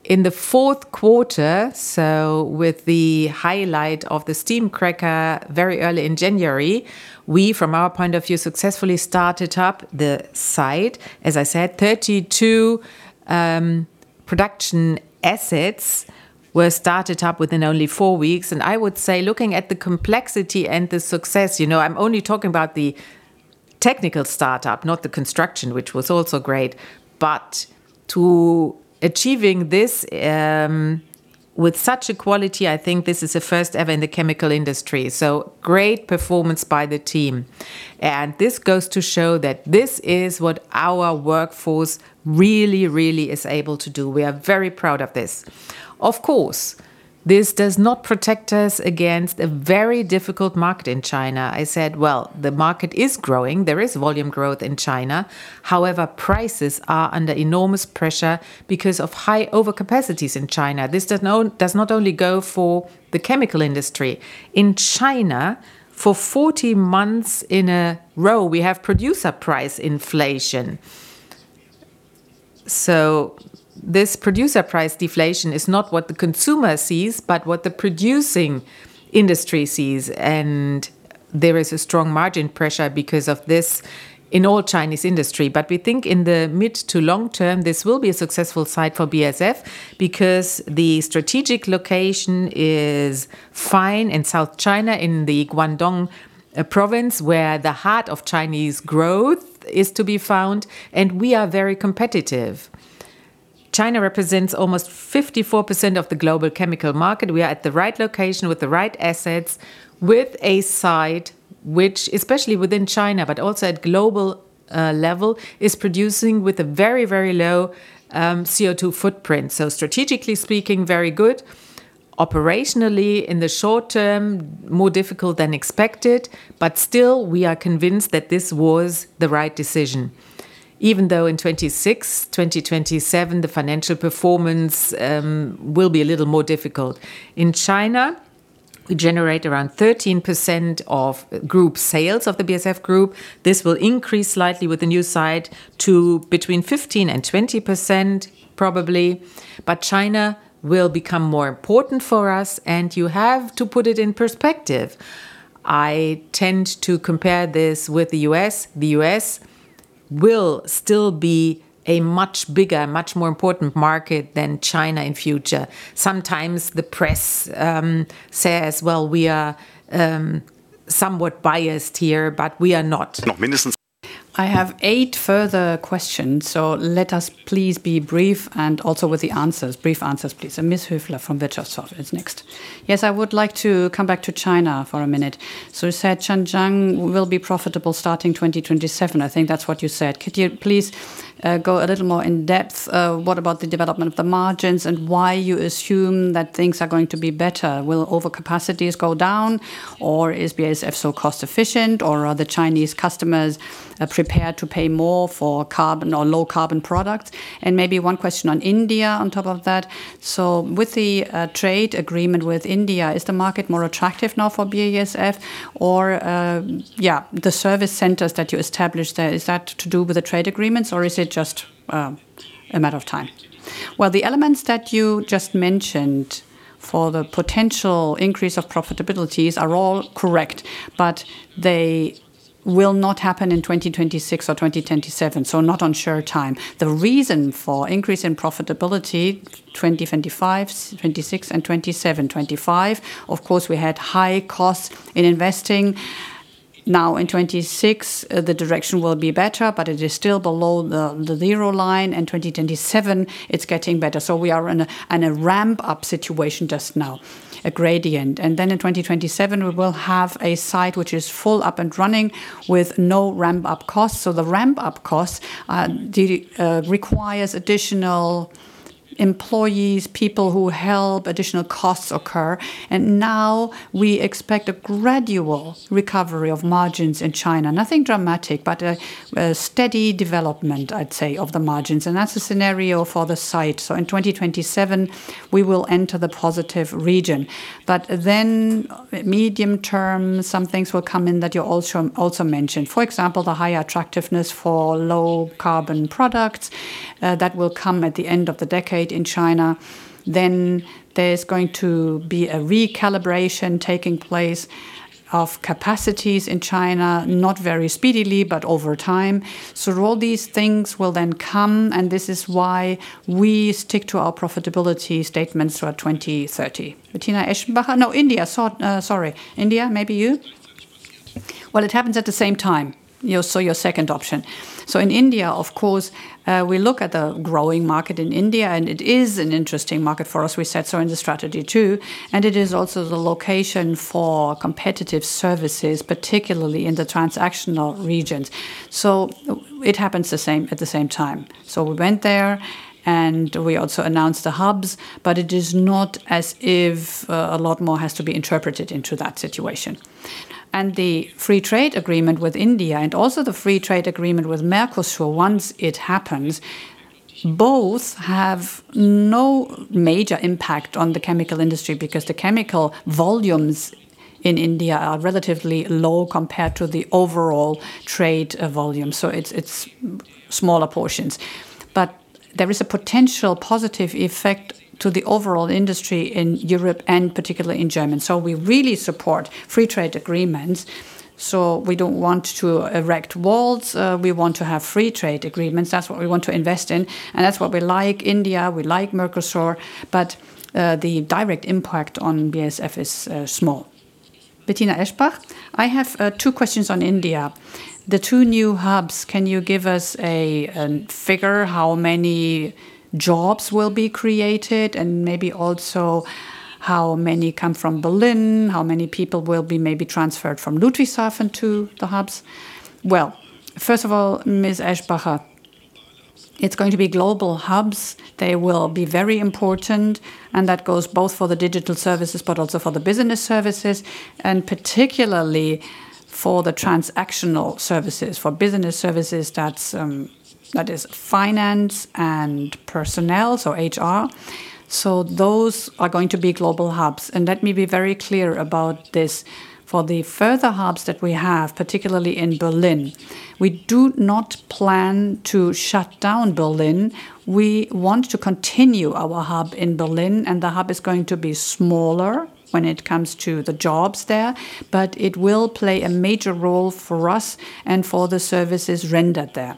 In the fourth quarter, so with the highlight of the steam cracker very early in January, we, from our point of view, successfully started up the site. As I said, 32 production assets were started up within only four weeks, and I would say, looking at the complexity and the success, you know, I'm only talking about the technical startup, not the construction, which was also great. But to achieving this, with such a quality, I think this is a first-ever in the chemical industry, so great performance by the team. This goes to show that this is what our workforce really is able to do. We are very proud of this. Of course, this does not protect us against a very difficult market in China. I said, well, the market is growing. There is volume growth in China. However, prices are under enormous pressure because of high overcapacities in China. This does not only go for the chemical industry. In China, for 40 months in a row, we have producer price inflation. This producer price deflation is not what the consumer sees, but what the producing industry sees, and there is a strong margin pressure because of this in all Chinese industry. We think in the mid to long term, this will be a successful site for BASF because the strategic location is fine in South China, in the Guangdong province, where the heart of Chinese growth is to be found, and we are very competitive. China represents almost 54% of the global chemical market. We are at the right location with the right assets, with a site which, especially within China, but also at global level, is producing with a very, very low CO2 footprint. Strategically speaking, very good. Operationally, in the short term, more difficult than expected, but still, we are convinced that this was the right decision, even though in 2026, 2027, the financial performance will be a little more difficult. In China, we generate around 13% of group sales, of the BASF Group. This will increase slightly with the new site to between 15% and 20%, probably. China will become more important for us, and you have to put it in perspective. I tend to compare this with the U.S. The U.S. will still be a much bigger, much more important market than China in future. Sometimes the press says, well, we are somewhat biased here, but we are not. I have eight further questions, so let us please be brief and also with the answers, brief answers, please. Ms. Höfler from Wirtschaft is next. Yes, I would like to come back to China for a minute. You said Zhanjiang will be profitable starting 2027, I think that's what you said. Could you please go a little more in depth? What about the development of the margins and why you assume that things are going to be better? Will over capacities go down, or is BASF so cost efficient, or are the Chinese customers prepared to pay more for carbon or low-carbon products? Maybe one question on India on top of that: with the trade agreement with India, is the market more attractive now for BASF or, yeah, the service centers that you established there, is that to do with the trade agreements, or is it just a matter of time? The elements that you just mentioned for the potential increase of profitabilities are all correct, but they will not happen in 2026 or 2027, so not on sure time. The reason for increase in profitability, 2025, 2026 and 2027: 2025, of course, we had high costs in investing. In 2026, the direction will be better, but it is still below the zero line. In 2027, it's getting better. We are in a ramp-up situation just now, a gradient. Then in 2027, we will have a site which is full up and running with no ramp-up costs. The ramp-up costs requires additional employees, people who help, additional costs occur. Now we expect a gradual recovery of margins in China. Nothing dramatic, but a steady development, I'd say, of the margins, and that's the scenario for the site. In 2027, we will enter the positive region. Then medium term, some things will come in that you also mentioned. For example, the higher attractiveness for low-carbon products that will come at the end of the decade in China. There's going to be a recalibration taking place of capacities in China, not very speedily, but over time. All these things will then come, and this is why we stick to our profitability statements for 2030. Bettina Aschenbach? No, India, sorry. India, maybe you? Well, it happens at the same time, so your second option. In India, of course, we look at the growing market in India, and it is an interesting market for us. We said so in the strategy, too, and it is also the location for competitive services, particularly in the transactional regions. It happens at the same time. We went there, and we also announced the hubs, but it is not as if a lot more has to be interpreted into that situation. The free trade agreement with India and also the free trade agreement with Mercosur, once it happens, both have no major impact on the chemical industry because the chemical volumes in India are relatively low compared to the overall trade volume, so it's smaller portions. There is a potential positive effect to the overall industry in Europe and particularly in Germany. We really support free trade agreements, so we don't want to erect walls. We want to have free trade agreements. That's what we want to invest in, and that's what we like India, we like Mercosur, but the direct impact on BASF is small. Bettina Aschenbach? I have two questions on India. The two new hubs, can you give us a figure how many jobs will be created? Maybe also, how many come from Berlin, how many people will be maybe transferred from Ludwigshafen to the hubs? Well, first of all, Ms. Aschenbach, it's going to be global hubs. They will be very important, and that goes both for the digital services, but also for the business services, and particularly for the transactional services. For business services, that's finance and personnel, so HR. Those are going to be global hubs. Let me be very clear about this. For the further hubs that we have, particularly in Berlin, we do not plan to shut down Berlin. We want to continue our hub in Berlin, and the hub is going to be smaller when it comes to the jobs there, but it will play a major role for us and for the services rendered there.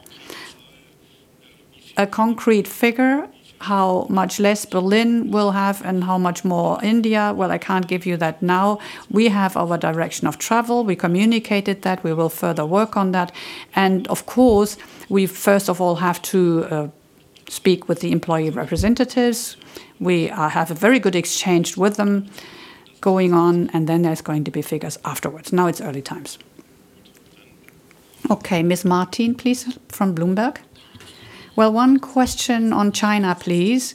A concrete figure, how much less Berlin will have and how much more India, well, I can't give you that now. We have our direction of travel. We communicated that. We will further work on that. Of course, we first of all have to. speak with the employee representatives. We have a very good exchange with them going on, and then there's going to be figures afterwards. Now it's early times. Ms. Martin, please, from Bloomberg. One question on China, please.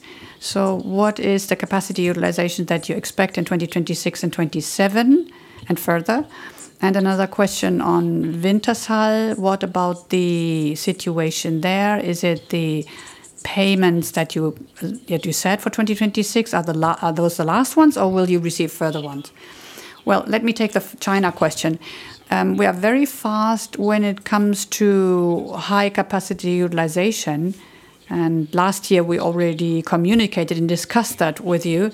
What is the capacity utilization that you expect in 2026 and 2027, and further? Another question on Wintershall. What about the situation there? Is it the payments that you, that you set for 2026, are those the last ones, or will you receive further ones? Let me take the China question. We are very fast when it comes to high capacity utilization, and last year we already communicated and discussed that with you.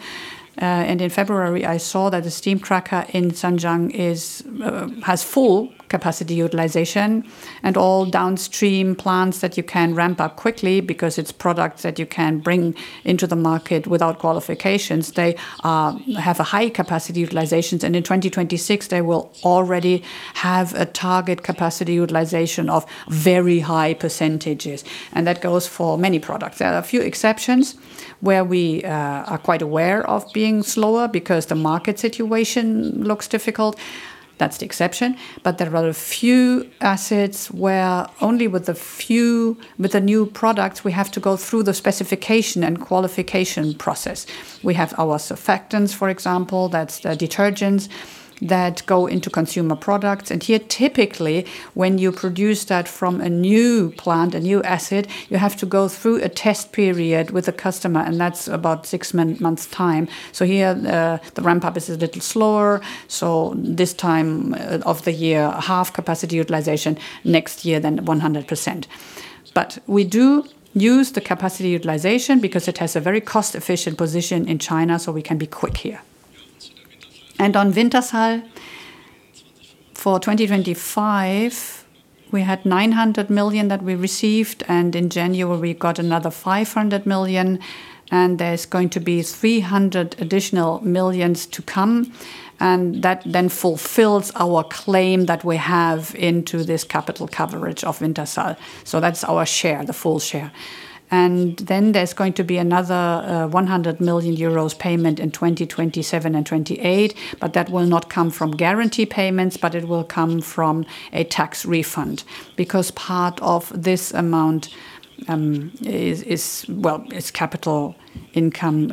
In February, I saw that the steam cracker in Zhanjiang has full capacity utilization and all downstream plants that you can ramp up quickly because it's products that you can bring into the market without qualifications. They have a high capacity utilization, and in 2026, they will already have a target capacity utilization of very high %, and that goes for many products. There are a few exceptions where we are quite aware of being slower because the market situation looks difficult. That's the exception. There are a few assets where only with the new products, we have to go through the specification and qualification process. We have our surfactants, for example, that's the detergents that go into consumer products, typically, when you produce that from a new plant, a new asset, you have to go through a test period with a customer, and that's about six months' time. Here, the ramp-up is a little slower, this time of the year, half capacity utilization, next year, then 100%. We do use the capacity utilization because it has a very cost-efficient position in China, we can be quick here. On Wintershall, for 2025, we had 900 million that we received, in January, we got another 500 million, there's going to be 300 additional million to come, that then fulfills our claim that we have into this capital coverage of Wintershall. That's our share, the full share. Then there's going to be another 100 million euros payment in 2027 and 2028, that will not come from guarantee payments, it will come from a tax refund, because part of this amount is, well, it's capital income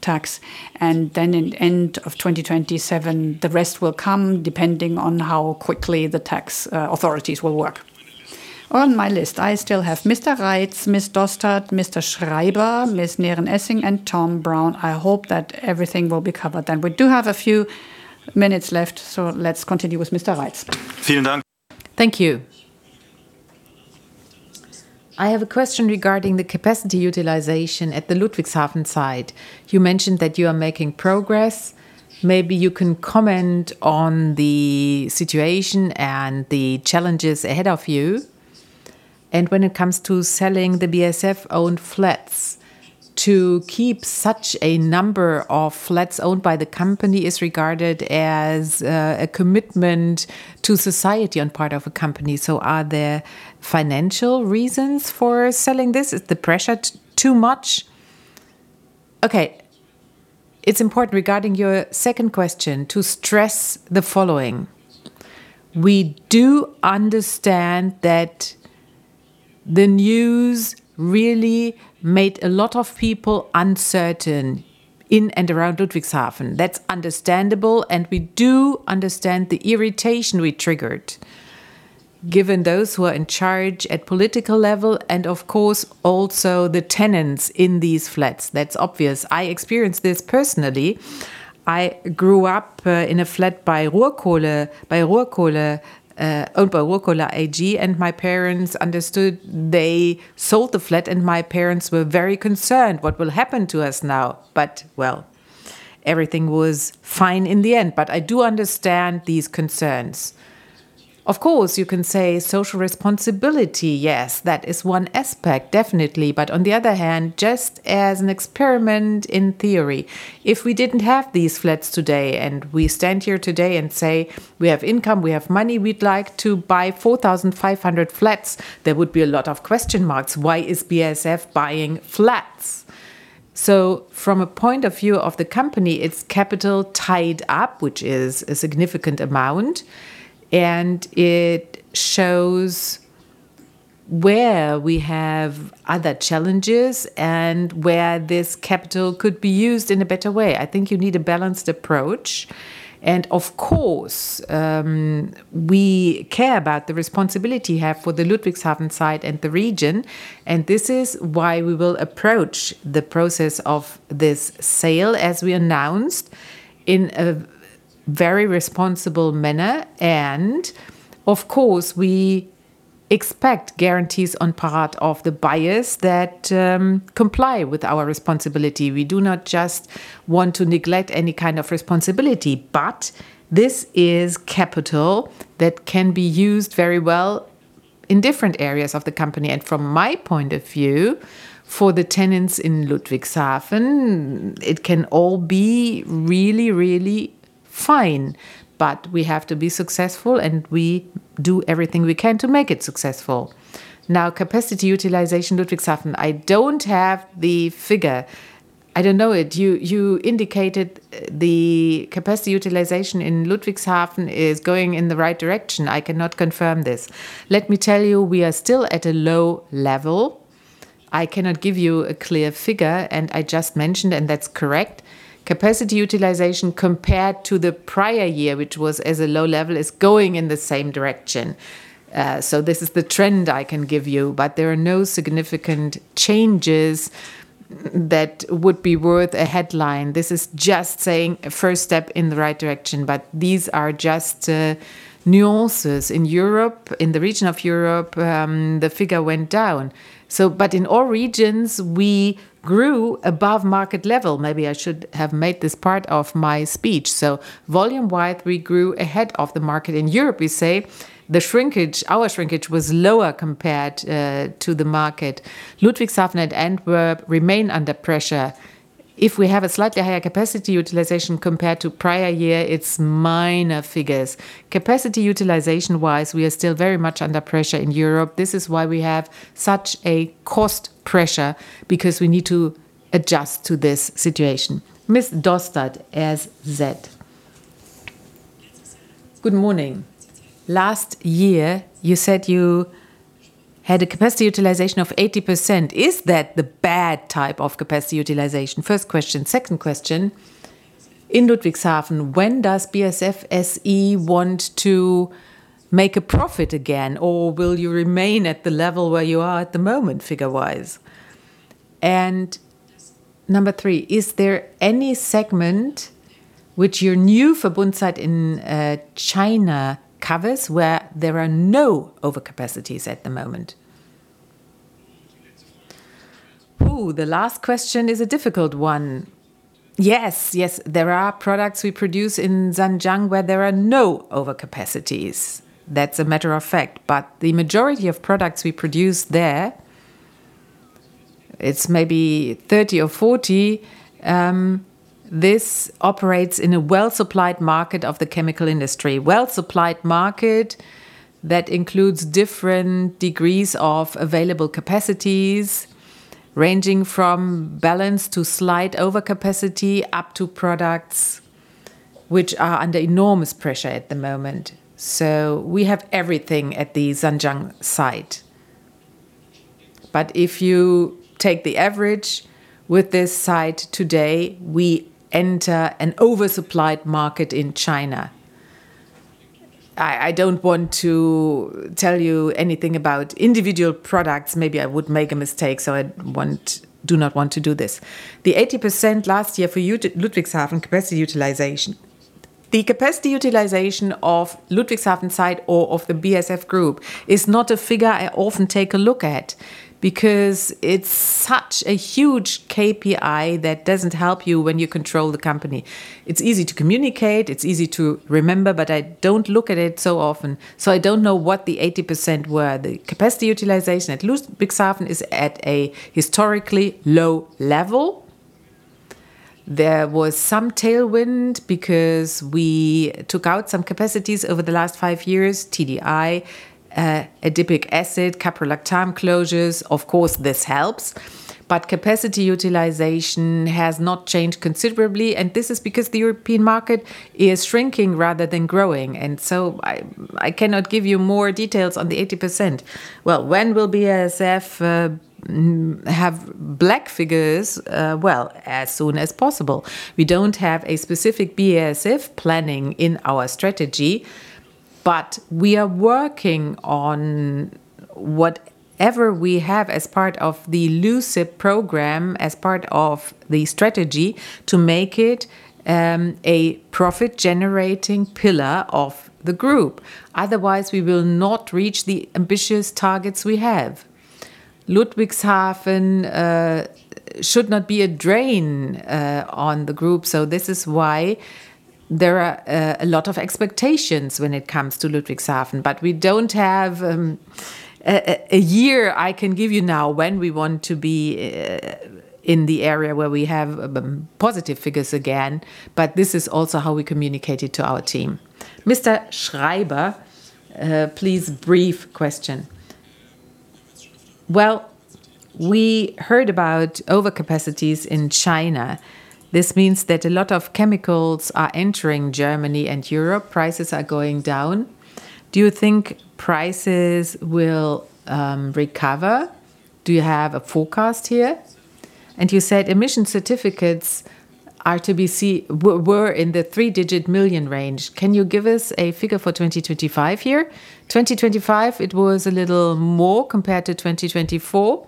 tax, then in end of 2027, the rest will come, depending on how quickly the tax authorities will work. On my list, I still have Mr. Reitz, Ms. Dostert, Mr. Schreiber, Ms. Nehren-Essing, and Tom Brown. I hope that everything will be covered then. We do have a few minutes left. Let's continue with Mr. Reitz. Vielen Dank. Thank you. I have a question regarding the capacity utilization at the Ludwigshafen site. You mentioned that you are making progress. Maybe you can comment on the situation and the challenges ahead of you. When it comes to selling the BASF-owned flats, to keep such a number of flats owned by the company is regarded as a commitment to society on part of a company. Are there financial reasons for selling this? Is the pressure too much? Okay. It's important, regarding your second question, to stress the following: we do understand that the news really made a lot of people uncertain in and around Ludwigshafen. That's understandable, and we do understand the irritation we triggered, given those who are in charge at political level and, of course, also the tenants in these flats. That's obvious. I experienced this personally. I grew up in a flat by Ruhrkohle, owned by Ruhrkohle AG, and my parents understood. They sold the flat, and my parents were very concerned, "What will happen to us now?" Well, everything was fine in the end. I do understand these concerns. Of course, you can say social responsibility, yes, that is one aspect, definitely. On the other hand, just as an experiment in theory, if we didn't have these flats today and we stand here today and say, "We have income, we have money, we'd like to buy 4,500 flats," there would be a lot of question marks. Why is BASF buying flats? From a point of view of the company, it's capital tied up, which is a significant amount, and it shows where we have other challenges and where this capital could be used in a better way. I think you need a balanced approach. Of course, we care about the responsibility we have for the Ludwigshafen site and the region, and this is why we will approach the process of this sale, as we announced, in a very responsible manner. Of course, we expect guarantees on part of the buyers that comply with our responsibility. We do not just want to neglect any kind of responsibility, but this is capital that can be used very well in different areas of the company. From my point of view, for the tenants in Ludwigshafen, it can all be really.... fine, but we have to be successful, and we do everything we can to make it successful. Capacity utilization, Ludwigshafen, I don't have the figure. I don't know it. You indicated the capacity utilization in Ludwigshafen is going in the right direction. I cannot confirm this. Let me tell you, we are still at a low level. I cannot give you a clear figure, and I just mentioned, and that's correct, capacity utilization compared to the prior year, which was at a low level, is going in the same direction. This is the trend I can give you, but there are no significant changes that would be worth a headline. This is just saying a first step in the right direction, but these are just nuances. In Europe, in the region of Europe, the figure went down. In all regions, we grew above market level. Maybe I should have made this part of my speech. Volume-wide, we grew ahead of the market. In Europe, we say the shrinkage, our shrinkage, was lower compared to the market. Ludwigshafen and Antwerp remain under pressure. If we have a slightly higher capacity utilization compared to prior year, it's minor figures. Capacity utilization-wise, we are still very much under pressure in Europe. This is why we have such a cost pressure, because we need to adjust to this situation. Ms. Dostert, SZ. Good morning. Last year, you said you had a capacity utilization of 80%. Is that the bad type of capacity utilization? First question. Second question, in Ludwigshafen, when does BASF SE want to make a profit again, or will you remain at the level where you are at the moment, figure-wise? Number 3, is there any segment which your new Verbund site in China covers, where there are no overcapacities at the moment? The last question is a difficult one. Yes, yes, there are products we produce in Zhanjiang where there are no overcapacities. That's a matter of fact. The majority of products we produce there, it's maybe 30 or 40, this operates in a well-supplied market of the chemical industry. Well-supplied market that includes different degrees of available capacities, ranging from balance to slight overcapacity, up to products which are under enormous pressure at the moment. We have everything at the Zhanjiang site. If you take the average with this site today, we enter an oversupplied market in China. I don't want to tell you anything about individual products. Maybe I would make a mistake, I do not want to do this. The 80% last year for Ludwigshafen capacity utilization. The capacity utilization of Ludwigshafen site or of the BASF Group is not a figure I often take a look at, because it's such a huge KPI that doesn't help you when you control the company. It's easy to communicate, it's easy to remember, I don't look at it so often, so I don't know what the 80% were. The capacity utilization at Ludwigshafen is at a historically low level. There was some tailwind because we took out some capacities over the last five years, TDI, adipic acid, caprolactam closures. Of course, this helps, but capacity utilization has not changed considerably, this is because the European market is shrinking rather than growing, I cannot give you more details on the 80%. When will BASF have black figures? As soon as possible. We don't have a specific BASF planning in our strategy, but we are working on whatever we have as part of the Lucide program, as part of the strategy, to make it a profit-generating pillar of the group. Otherwise, we will not reach the ambitious targets we have. Ludwigshafen should not be a drain on the group. This is why there are a lot of expectations when it comes to Ludwigshafen. We don't have a year I can give you now when we want to be in the area where we have positive figures again. This is also how we communicate it to our team. Mr. Schreiber, please, brief question. We heard about overcapacities in China. This means that a lot of chemicals are entering Germany and Europe. Prices are going down. Do you think prices will recover? Do you have a forecast here? You said emission certificates were in the three-digit million range. Can you give us a figure for 2025 here? 2025, it was a little more compared to 2024.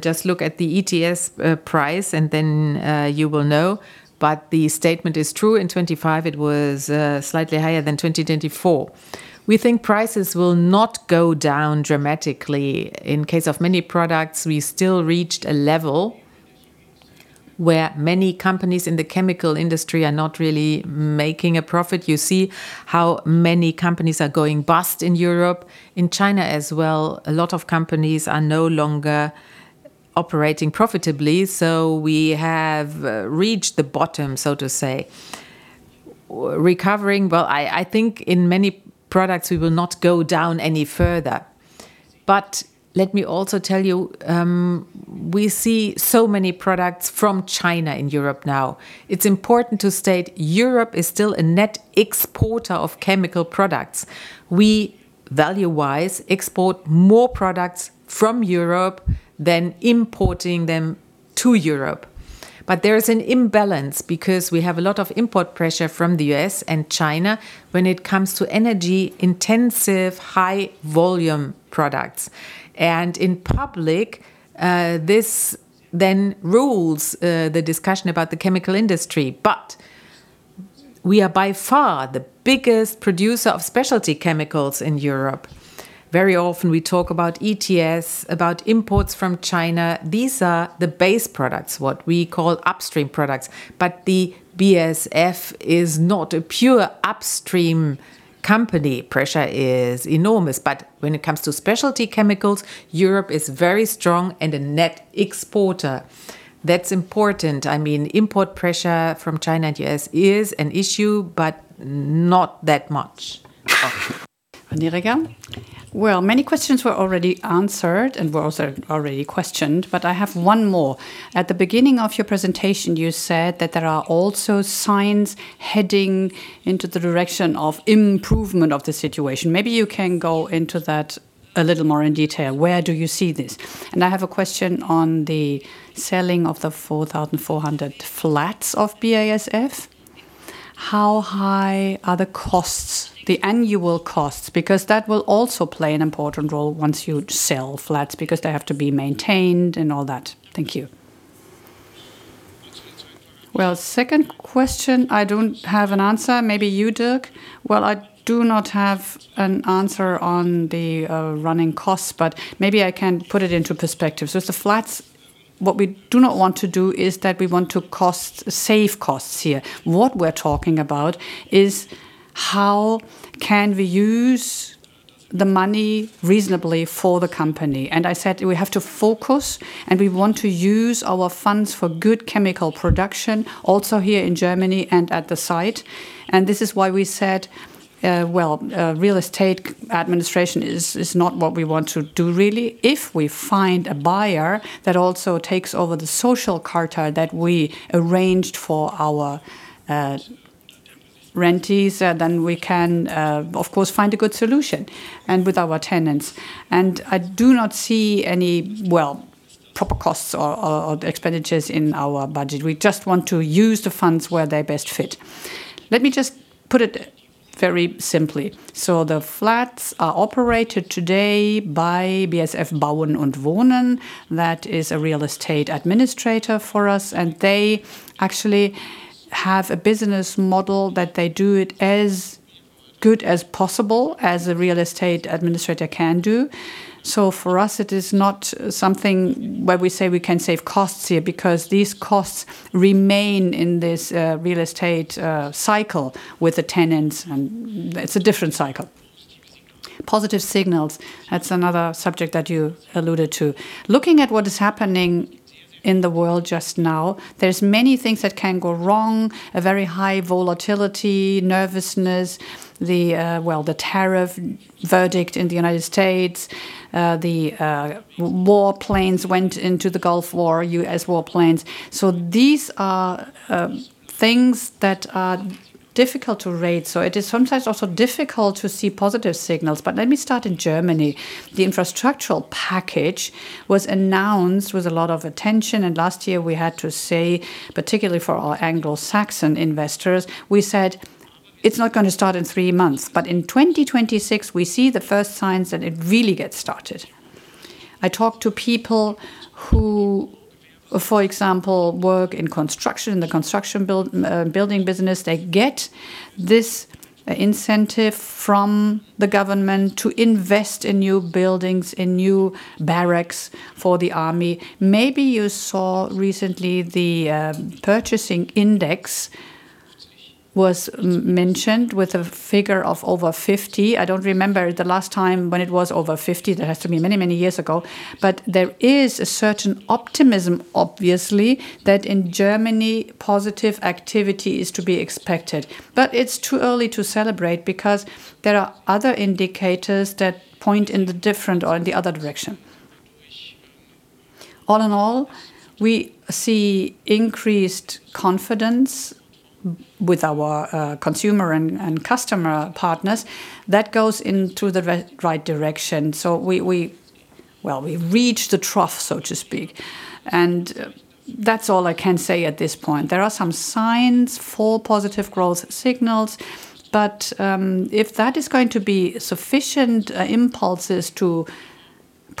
Just look at the ETS price. Then you will know. The statement is true. In 2025, it was slightly higher than 2024. We think prices will not go down dramatically. In case of many products, we still reached a level where many companies in the chemical industry are not really making a profit. You see how many companies are going bust in Europe. In China as well, a lot of companies are no longer. operating profitably, so we have reached the bottom, so to say. Recovering, well, I think in many products, we will not go down any further. Let me also tell you, we see so many products from China in Europe now. It's important to state Europe is still a net exporter of chemical products. We, value-wise, export more products from Europe than importing them to Europe. There is an imbalance because we have a lot of import pressure from the U.S. and China when it comes to energy-intensive, high-volume products. In public, this then rules the discussion about the chemical industry. We are by far the biggest producer of specialty chemicals in Europe. Very often we talk about ETS, about imports from China. These are the base products, what we call upstream products. The BASF is not a pure upstream company. Pressure is enormous. When it comes to specialty chemicals, Europe is very strong and a net exporter. That's important. I mean, import pressure from China and U.S. is an issue, not that much. Well, many questions were already answered and were also already questioned. I have one more. At the beginning of your presentation, you said that there are also signs heading into the direction of improvement of the situation. Maybe you can go into that a little more in detail. Where do you see this? I have a question on the selling of the 4,400 flats of BASF. How high are the costs, the annual costs? Because that will also play an important role once you sell flats, because they have to be maintained and all that. Thank you. Second question, I don't have an answer. Maybe you, Dirk? I do not have an answer on the running costs, but maybe I can put it into perspective. With the flats, what we do not want to do is that we want to save costs here. What we're talking about is how can we use the money reasonably for the company? I said we have to focus, and we want to use our funds for good chemical production, also here in Germany and at the site. This is why we said, real estate administration is not what we want to do, really. If we find a buyer that also takes over the social charter that we arranged for our rentees, then we can, of course, find a good solution, and with our tenants. I do not see any, well, proper costs or expenditures in our budget. We just want to use the funds where they best fit. Let me just put it very simply. The flats are operated today by BASF Wohnen + Bauen. That is a real estate administrator for us, and they actually have a business model that they do it as good as possible as a real estate administrator can do. For us, it is not something where we say we can save costs here, because these costs remain in this real estate cycle with the tenants, and it's a different cycle. Positive signals, that's another subject that you alluded to. Looking at what is happening in the world just now, there's many things that can go wrong, a very high volatility, nervousness, the tariff verdict in the United States, the U.S. warplanes went into the Gulf War, U.S. warplanes. These are things that are difficult to rate, so it is sometimes also difficult to see positive signals. Let me start in Germany. The infrastructural package was announced with a lot of attention, last year we had to say, particularly for our Anglo-Saxon investors, we said, "It's not gonna start in three months." In 2026, we see the first signs that it really gets started. I talked to people who, for example, work in construction, in the construction building business. They get this incentive from the government to invest in new buildings, in new barracks for the army. Maybe you saw recently the purchasing index was mentioned with a figure of over 50. I don't remember the last time when it was over 50. That has to be many, many years ago. There is a certain optimism, obviously, that in Germany, positive activity is to be expected. It's too early to celebrate because there are other indicators that point in the different or in the other direction. All in all, we see increased confidence with our consumer and customer partners. That goes into the right direction. Well, we've reached a trough, so to speak, and that's all I can say at this point. There are some signs for positive growth signals, but if that is going to be sufficient impulses to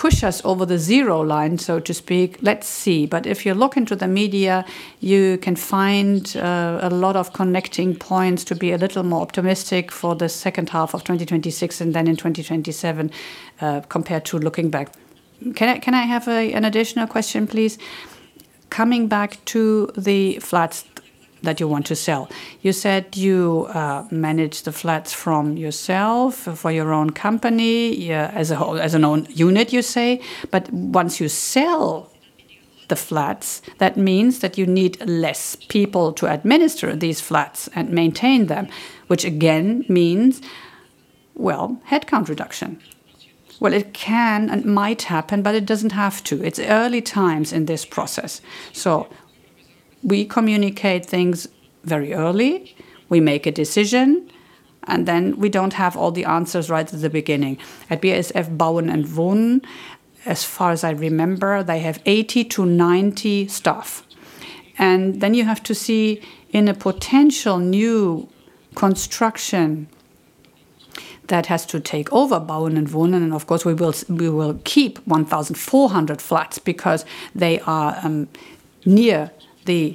push us over the zero line, so to speak, let's see. If you look into the media, you can find a lot of connecting points to be a little more optimistic for the second half of 2026 and then in 2027 compared to looking back. Can I have an additional question, please? Coming back to the flats that you want to sell. You said you manage the flats from yourself for your own company, yeah, as a whole, as an own unit, you say, but once you sell the flats, that means that you need less people to administer these flats and maintain them, which again means, well, headcount reduction. Well, it can and might happen, but it doesn't have to. It's early times in this process. We communicate things very early, we make a decision, we don't have all the answers right at the beginning. At BASF Wohnen + Bauen, as far as I remember, they have 80 to 90 staff. You have to see in a potential new construction that has to take over Bauen und Wohnen, and of course, we will keep 1,400 flats because they are near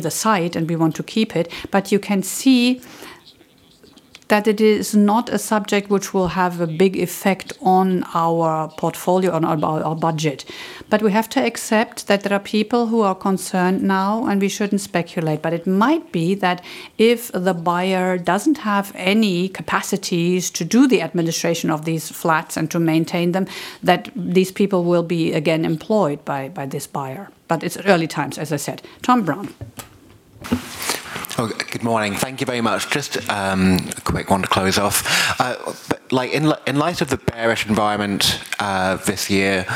the site, and we want to keep it. You can see that it is not a subject which will have a big effect on our portfolio, on our budget. We have to accept that there are people who are concerned now, and we shouldn't speculate. It might be that if the buyer doesn't have any capacities to do the administration of these flats and to maintain them, that these people will be again employed by this buyer. It's early times, as I said. Tom Brown. Oh, good morning. Thank you very much. Just a quick one to close off. Like, in light of the bearish environment, this year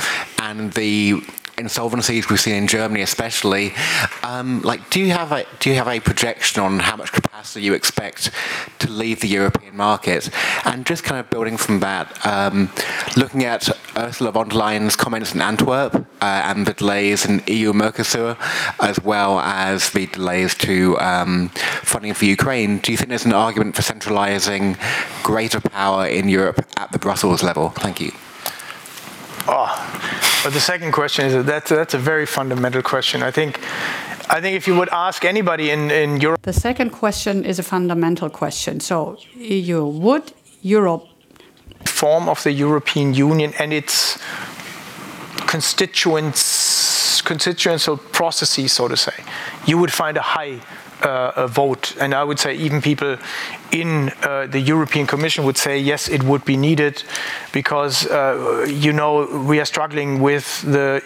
and the insolvencies we've seen in Germany, especially, like, do you have a, do you have a projection on how much capacity you expect to leave the European market? Just kind of building from that, looking at Ursula von der Leyen's comments in Antwerp, and the delays in EU Mercosur, as well as the delays to funding for Ukraine, do you think there's an argument for centralizing greater power in Europe at the Brussels level? Thank you. The second question is, that's a very fundamental question. I think if you would ask anybody in Europe. The second question is a fundamental question. -form of the European Union and its constituents, constituency processes, so to say, you would find a high vote. I would say even people in the European Commission would say, yes, it would be needed because, you know, we are struggling with the,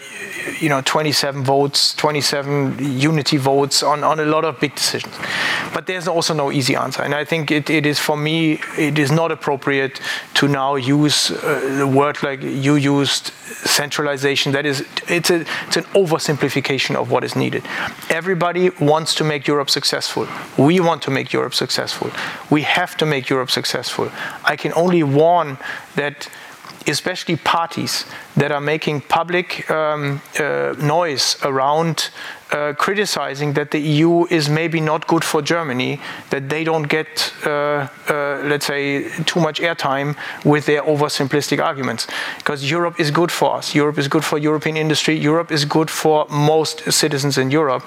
you know, 27 votes, 27 unity votes on a lot of big decisions. There's also no easy answer, and I think it is for me, it is not appropriate to now use the word like you used, centralization. It's an oversimplification of what is needed. Everybody wants to make Europe successful. We want to make Europe successful. We have to make Europe successful. I can only warn that especially parties that are making public noise around criticizing that the EU is maybe not good for Germany, that they don't get let's say, too much airtime with their oversimplistic arguments. 'Cause Europe is good for us. Europe is good for European industry. Europe is good for most citizens in Europe.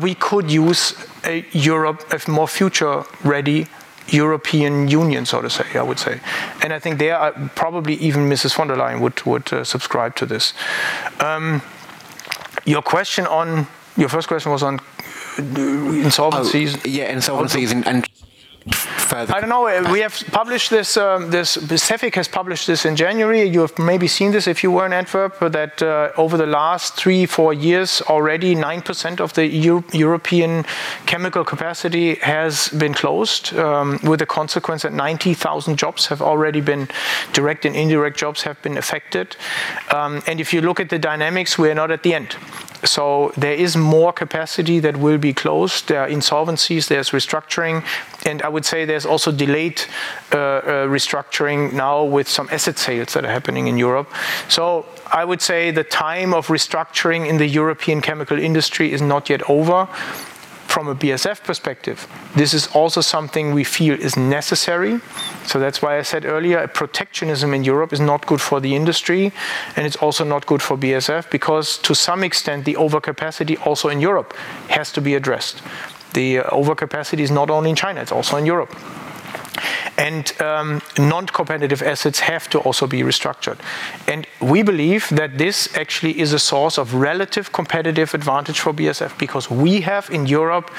We could use a Europe, a more future-ready European Union, so to say, I would say. I think there are probably even Mrs. von der Leyen would subscribe to this. Your first question was on insolvencies? Oh, yeah, insolvencies and further. I don't know. We have published this. Cefic has published this in January. You have maybe seen this if you were in Antwerp, that over the last three, four years, already 9% of the European chemical capacity has been closed, with the consequence that 90,000 jobs have already been, direct and indirect jobs have been affected. If you look at the dynamics, we are not at the end. There is more capacity that will be closed. There are insolvencies, there's restructuring, and I would say there's also delayed restructuring now with some asset sales that are happening in Europe. I would say the time of restructuring in the European chemical industry is not yet over. From a BASF perspective, this is also something we feel is necessary. That's why I said earlier, protectionism in Europe is not good for the industry, and it's also not good for BASF, because to some extent, the overcapacity also in Europe has to be addressed. The overcapacity is not only in China, it's also in Europe. Non-competitive assets have to also be restructured. We believe that this actually is a source of relative competitive advantage for BASF because we have, in Europe,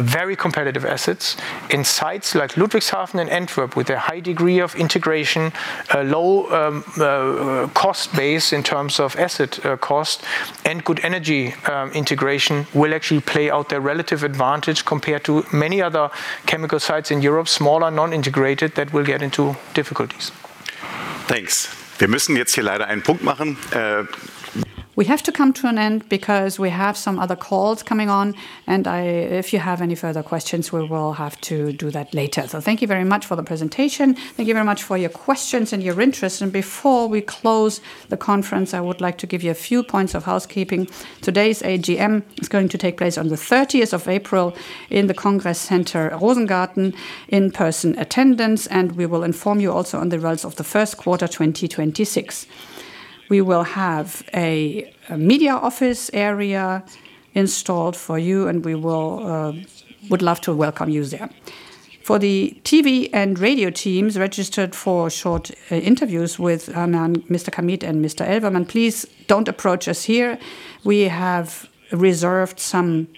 very competitive assets in sites like Ludwigshafen and Antwerp, with a high degree of integration, a low cost base in terms of asset cost, and good energy integration, will actually play out their relative advantage compared to many other chemical sites in Europe, smaller, non-integrated, that will get into difficulties. Thanks. We have to come to an end because we have some other calls coming on. If you have any further questions, we will have to do that later. Thank you very much for the presentation. Thank you very much for your questions and your interest. Before we close the conference, I would like to give you a few points of housekeeping. Today's AGM is going to take place on the 30th of April in the Congress Center Rosengarten, in-person attendance, and we will inform you also on the results of the 1st quarter, 2026. We will have a media office area installed for you, and we would love to welcome you there. For the TV and radio teams registered for short interviews with Mr. Kamieth and Mr. Elvermann, please don't approach us here. We have reserved some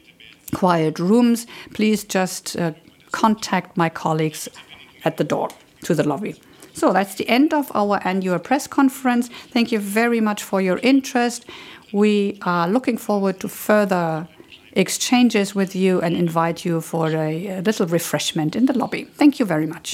quiet rooms. Please just contact my colleagues at the door to the lobby. That's the end of our annual press conference. Thank you very much for your interest. We are looking forward to further exchanges with you and invite you for a little refreshment in the lobby. Thank you very much.